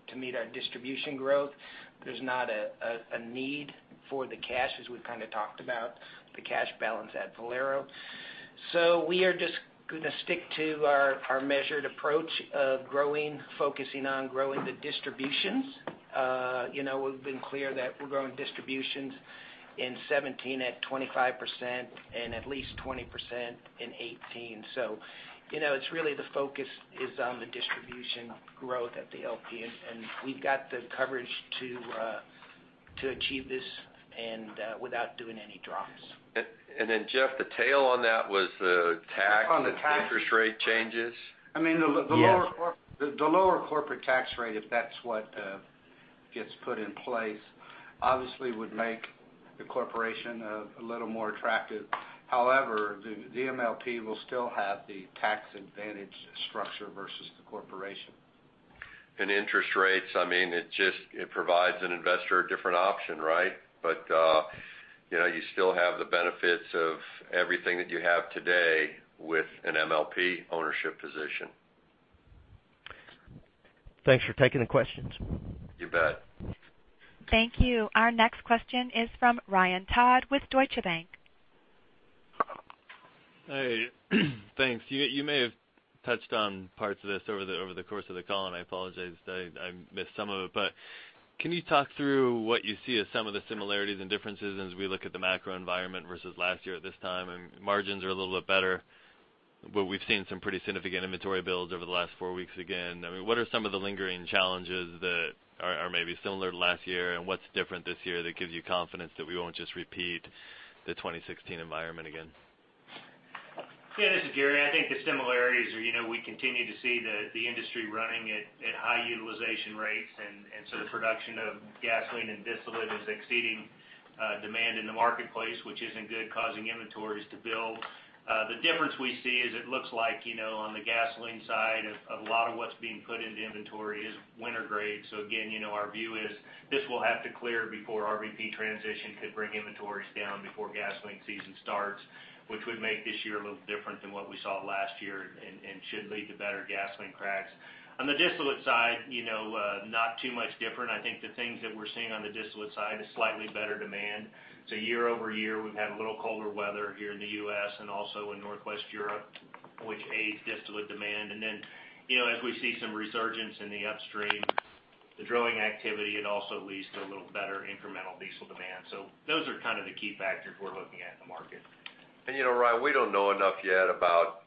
to meet our distribution growth. There's not a need for the cash, as we've talked about the cash balance at Valero. We are just going to stick to our measured approach of focusing on growing the distributions. We've been clear that we're growing distributions in 2017 at 25% and at least 20% in 2018. Really the focus is on the distribution growth at the LP, and we've got the coverage to achieve this and without doing any drops. Jeff, the tail on that was the tax- On the tax- interest rate changes. Yes. The lower corporate tax rate, if that's what gets put in place, obviously would make the corporation a little more attractive. However, the MLP will still have the tax advantage structure versus the corporation. Interest rates, it provides an investor a different option, right? You still have the benefits of everything that you have today with an MLP ownership position. Thanks for taking the questions. You bet. Thank you. Our next question is from Ryan Todd with Deutsche Bank. Hey, thanks. You may have touched on parts of this over the course of the call, and I apologize if I missed some of it, but can you talk through what you see as some of the similarities and differences as we look at the macro environment versus last year at this time? Margins are a little bit better, but we've seen some pretty significant inventory builds over the last four weeks again. What are some of the lingering challenges that are maybe similar to last year, and what's different this year that gives you confidence that we won't just repeat the 2016 environment again? Yeah, this is Gary. I think the similarities are we continue to see the industry running at high utilization rates, and so the production of gasoline and distillate is exceeding demand in the marketplace, which isn't good, causing inventories to build. The difference we see is it looks like, on the gasoline side, a lot of what's being put into inventory is winter grade. Again, our view is this will have to clear before RVP transition could bring inventories down before gasoline season starts, which would make this year a little different than what we saw last year and should lead to better gasoline cracks. On the distillate side, not too much different. I think the things that we're seeing on the distillate side is slightly better demand. Year-over-year, we've had a little colder weather here in the U.S. and also in Northwest Europe, which aids distillate demand. As we see some resurgence in the upstream, the drilling activity, it also leads to a little better incremental diesel demand. Those are the key factors we're looking at in the market. Ryan, we don't know enough yet about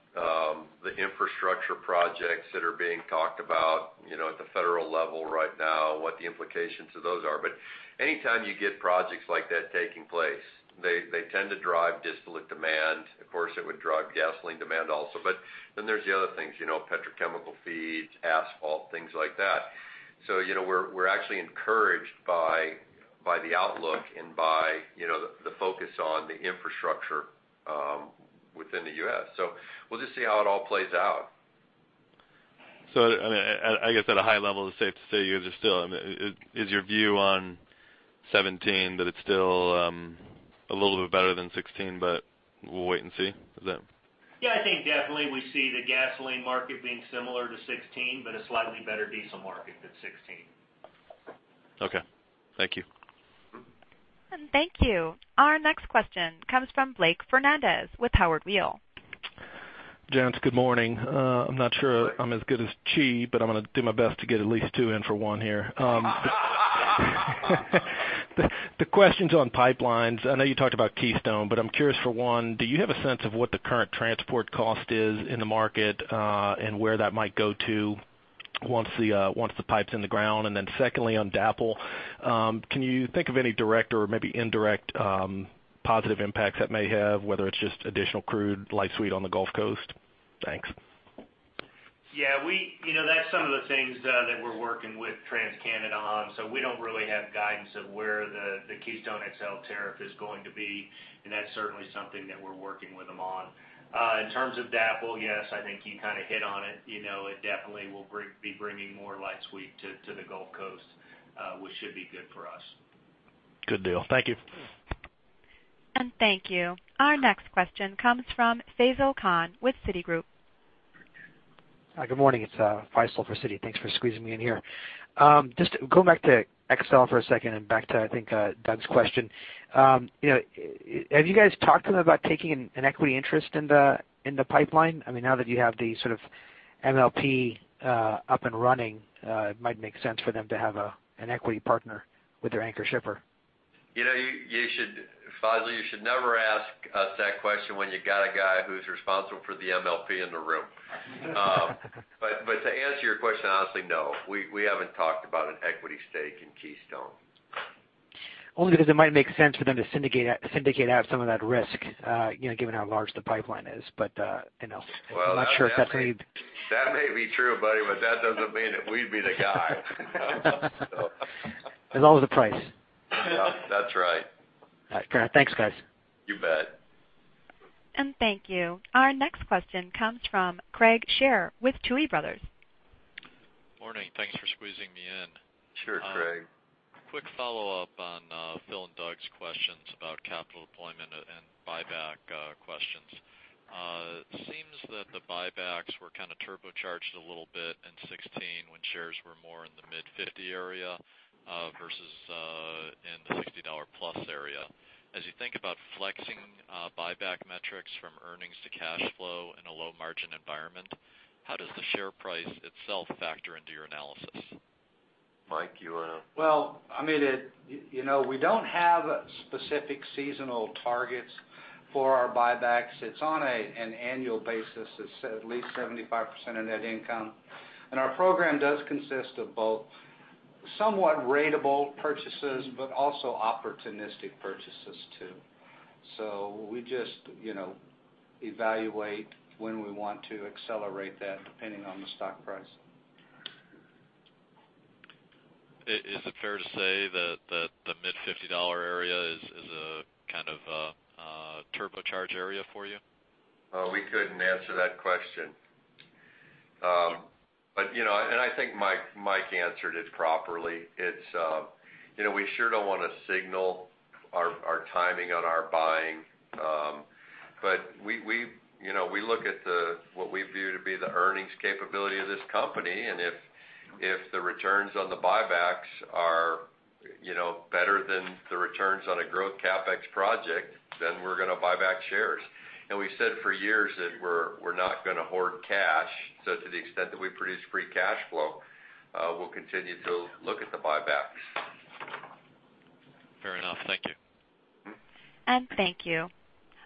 the infrastructure projects that are being talked about at the federal level right now and what the implications of those are. Any time you get projects like that taking place, they tend to drive distillate demand. Of course, it would drive gasoline demand also. There's the other things, petrochemical feeds, asphalt, things like that. We're actually encouraged by the outlook and by the focus on the infrastructure within the U.S. We'll just see how it all plays out. I guess at a high level, it's safe to say is your view on 2017 that it's still a little bit better than 2016, but we'll wait and see? Yeah, I think definitely we see the gasoline market being similar to 2016, but a slightly better diesel market than 2016. Okay. Thank you. Thank you. Our next question comes from Blake Fernandez with Howard Weil. Gents, good morning. I'm not sure I'm as good as Chi, but I'm going to do my best to get at least two in for one here. The questions on pipelines, I know you talked about Keystone, but I'm curious, for one, do you have a sense of what the current transport cost is in the market, and where that might go to once the pipe's in the ground? Secondly, on DAPL, can you think of any direct or maybe indirect positive impacts that may have, whether it's just additional crude, light sweet on the Gulf Coast? Thanks. Yeah. That's some of the things that we're working with TransCanada on, so we don't really have guidance of where the Keystone XL tariff is going to be, and that's certainly something that we're working with them on. In terms of DAPL, yes, I think you hit on it. It definitely will be bringing more light sweet to the Gulf Coast, which should be good for us. Good deal. Thank you. Thank you. Our next question comes from Faisel Khan with Citigroup. Hi, good morning. It's Faisel for Citi. Thanks for squeezing me in here. Just going back to XL for a second and back to, I think, Doug's question. Have you guys talked about taking an equity interest in the pipeline? Now that you have the sort of MLP up and running, it might make sense for them to have an equity partner with their anchor shipper. Faisel, you should never ask us that question when you got a guy who's responsible for the MLP in the room. To answer your question, honestly, no, we haven't talked about an equity stake in Keystone. Only because it might make sense for them to syndicate out some of that risk, given how large the pipeline is. I'm not sure if that's really That may be true, buddy, but that doesn't mean that we'd be the guy. There's always a price. That's right. All right, fair enough. Thanks, guys. You bet. Thank you. Our next question comes from Craig Shere with Tuohy Brothers. Morning. Thanks for squeezing me in. Sure, Craig. Quick follow-up on Phil and Doug's questions about capital deployment and buyback questions. Seems that the buybacks were kind of turbocharged a little bit in 2016 when shares were more in the mid-$50 area, versus, in the $60-plus area. As you think about flexing buyback metrics from earnings to cash flow in a low margin environment, how does the share price itself factor into your analysis? Mike, Well, we don't have specific seasonal targets for our buybacks. It's on an annual basis. It's at least 75% of net income. Our program does consist of both somewhat ratable purchases, but also opportunistic purchases too. We just evaluate when we want to accelerate that depending on the stock price. Is it fair to say that the mid-$50 area is a kind of a turbocharged area for you? We couldn't answer that question. I think Mike answered it properly. We sure don't want to signal our timing on our buying. We look at what we view to be the earnings capability of this company, and if the returns on the buybacks are better than the returns on a growth CapEx project, we're going to buy back shares. We said for years that we're not going to hoard cash. To the extent that we produce free cash flow, we'll continue to look at the buybacks. Fair enough. Thank you. Thank you.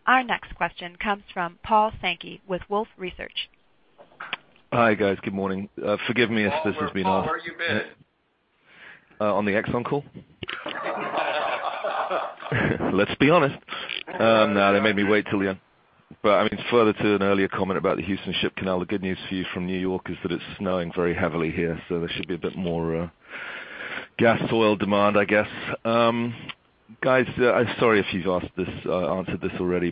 Our next question comes from Paul Sankey with Wolfe Research. Hi, guys. Good morning. Forgive me if this has been asked. Wolfe, where have you been? On the Exxon call? Let's be honest. No, they made me wait till the end. Further to an earlier comment about the Houston Ship Channel, the good news for you from New York is that it's snowing very heavily here, there should be a bit more gas oil demand, I guess. Guys, I'm sorry if you've answered this already,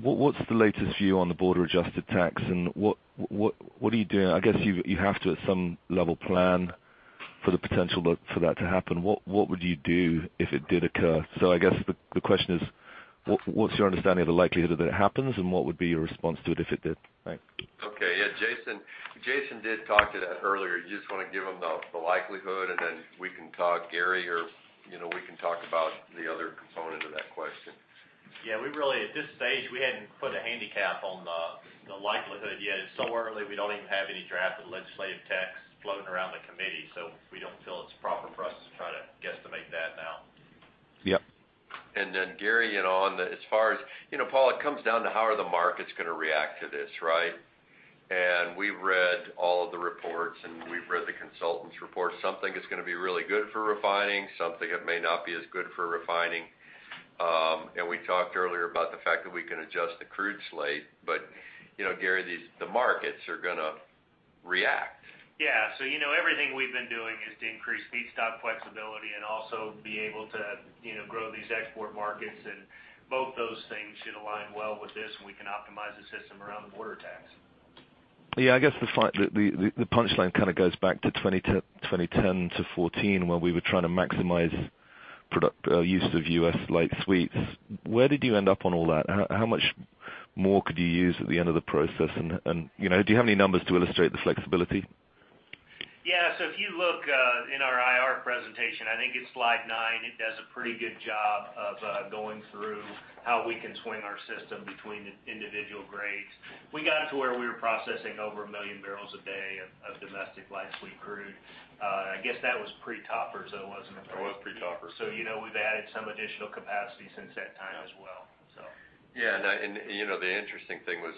what's the latest view on the border adjusted tax, and what are you doing? I guess you have to, at some level, plan for the potential for that to happen. What would you do if it did occur? I guess the question is, what's your understanding of the likelihood that it happens, and what would be your response to it if it did? Thanks. Okay. Yeah, Jason did talk to that earlier. Do you just want to give him the likelihood, then we can talk, Gary, or we can talk about the other component of that question. Yeah, at this stage, we hadn't put a handicap on the likelihood yet. It's so early, we don't even have any draft of the legislative text floating around the committee, we don't feel it's proper for us to try to guesstimate that now. Yep. Gary. Paul, it comes down to how are the markets going to react to this, right? We've read all of the reports, and we've read the consultants' reports. Some think it's going to be really good for refining. Some think it may not be as good for refining. We talked earlier about the fact that we can adjust the crude slate. Gary, the markets are going to react. Yeah. Everything we've been doing is to increase feedstock flexibility and also be able to grow these export markets, and both those things should align well with this, and we can optimize the system around the border tax. Yeah, I guess the punchline kind of goes back to 2010 to 2014, when we were trying to maximize use of U.S. light sweets. Where did you end up on all that? How much more could you use at the end of the process, and do you have any numbers to illustrate the flexibility? If you look in our IR presentation, I think it's slide nine, it does a pretty good job of going through how we can swing our system between individual grades. We got it to where we were processing over 1 million barrels a day of domestic light sweet crude. I guess that was pre-Topper, so it wasn't- It was pre-Topper. We've added some additional capacity since that time as well. Yeah. The interesting thing was,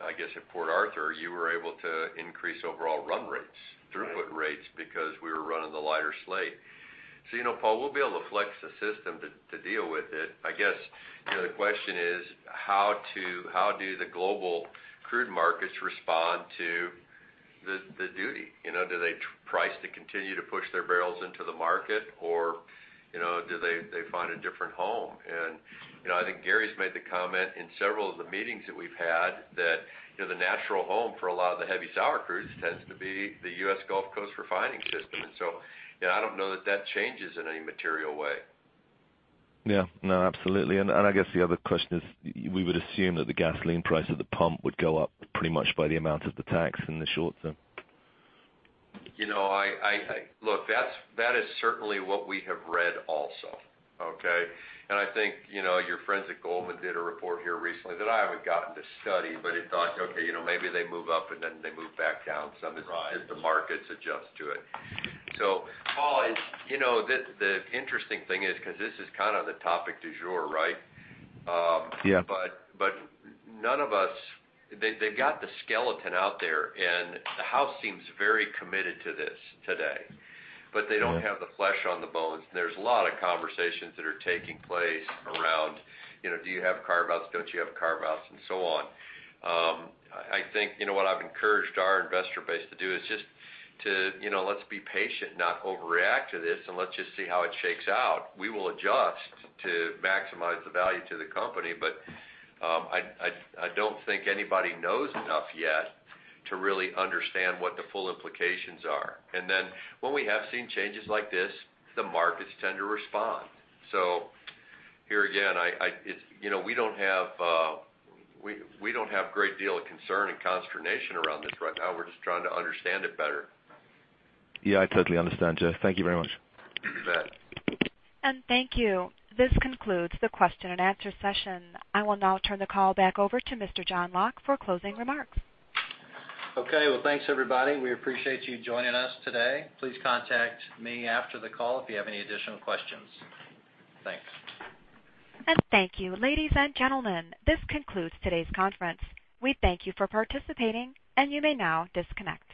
I guess at Port Arthur, you were able to increase overall run rates- Right throughput rates because we were running the lighter slate. Paul, we'll be able to flex the system to deal with it. I guess the question is how do the global crude markets respond to the duty? Do they price to continue to push their barrels into the market, or do they find a different home? I think Gary's made the comment in several of the meetings that we've had that the natural home for a lot of the heavy sour crudes tends to be the U.S. Gulf Coast refining system. I don't know that that changes in any material way. Yeah. No, absolutely. I guess the other question is, we would assume that the gasoline price at the pump would go up pretty much by the amount of the tax in the short term. Look, that is certainly what we have read also. Okay? I think your friends at Goldman did a report here recently that I haven't gotten to study, but it thought, okay, maybe they move up and then they move back down some. Right as the markets adjust to it. Paul, the interesting thing is, because this is kind of the topic du jour, right? Yeah. They've got the skeleton out there, the House seems very committed to this today. They don't have the flesh on the bones. There's a lot of conversations that are taking place around, do you have carve-outs, don't you have carve-outs, and so on. I think what I've encouraged our investor base to do is just to let's be patient, not overreact to this, and let's just see how it shakes out. We will adjust to maximize the value to the company. I don't think anybody knows enough yet to really understand what the full implications are. When we have seen changes like this, the markets tend to respond. Here again, we don't have a great deal of concern and consternation around this right now. We're just trying to understand it better. Yeah, I totally understand, Jeff. Thank you very much. You bet. Thank you. This concludes the question and answer session. I will now turn the call back over to Mr. John Locke for closing remarks. Okay. Well, thanks everybody. We appreciate you joining us today. Please contact me after the call if you have any additional questions. Thanks. Thank you. Ladies and gentlemen, this concludes today's conference. We thank you for participating, and you may now disconnect.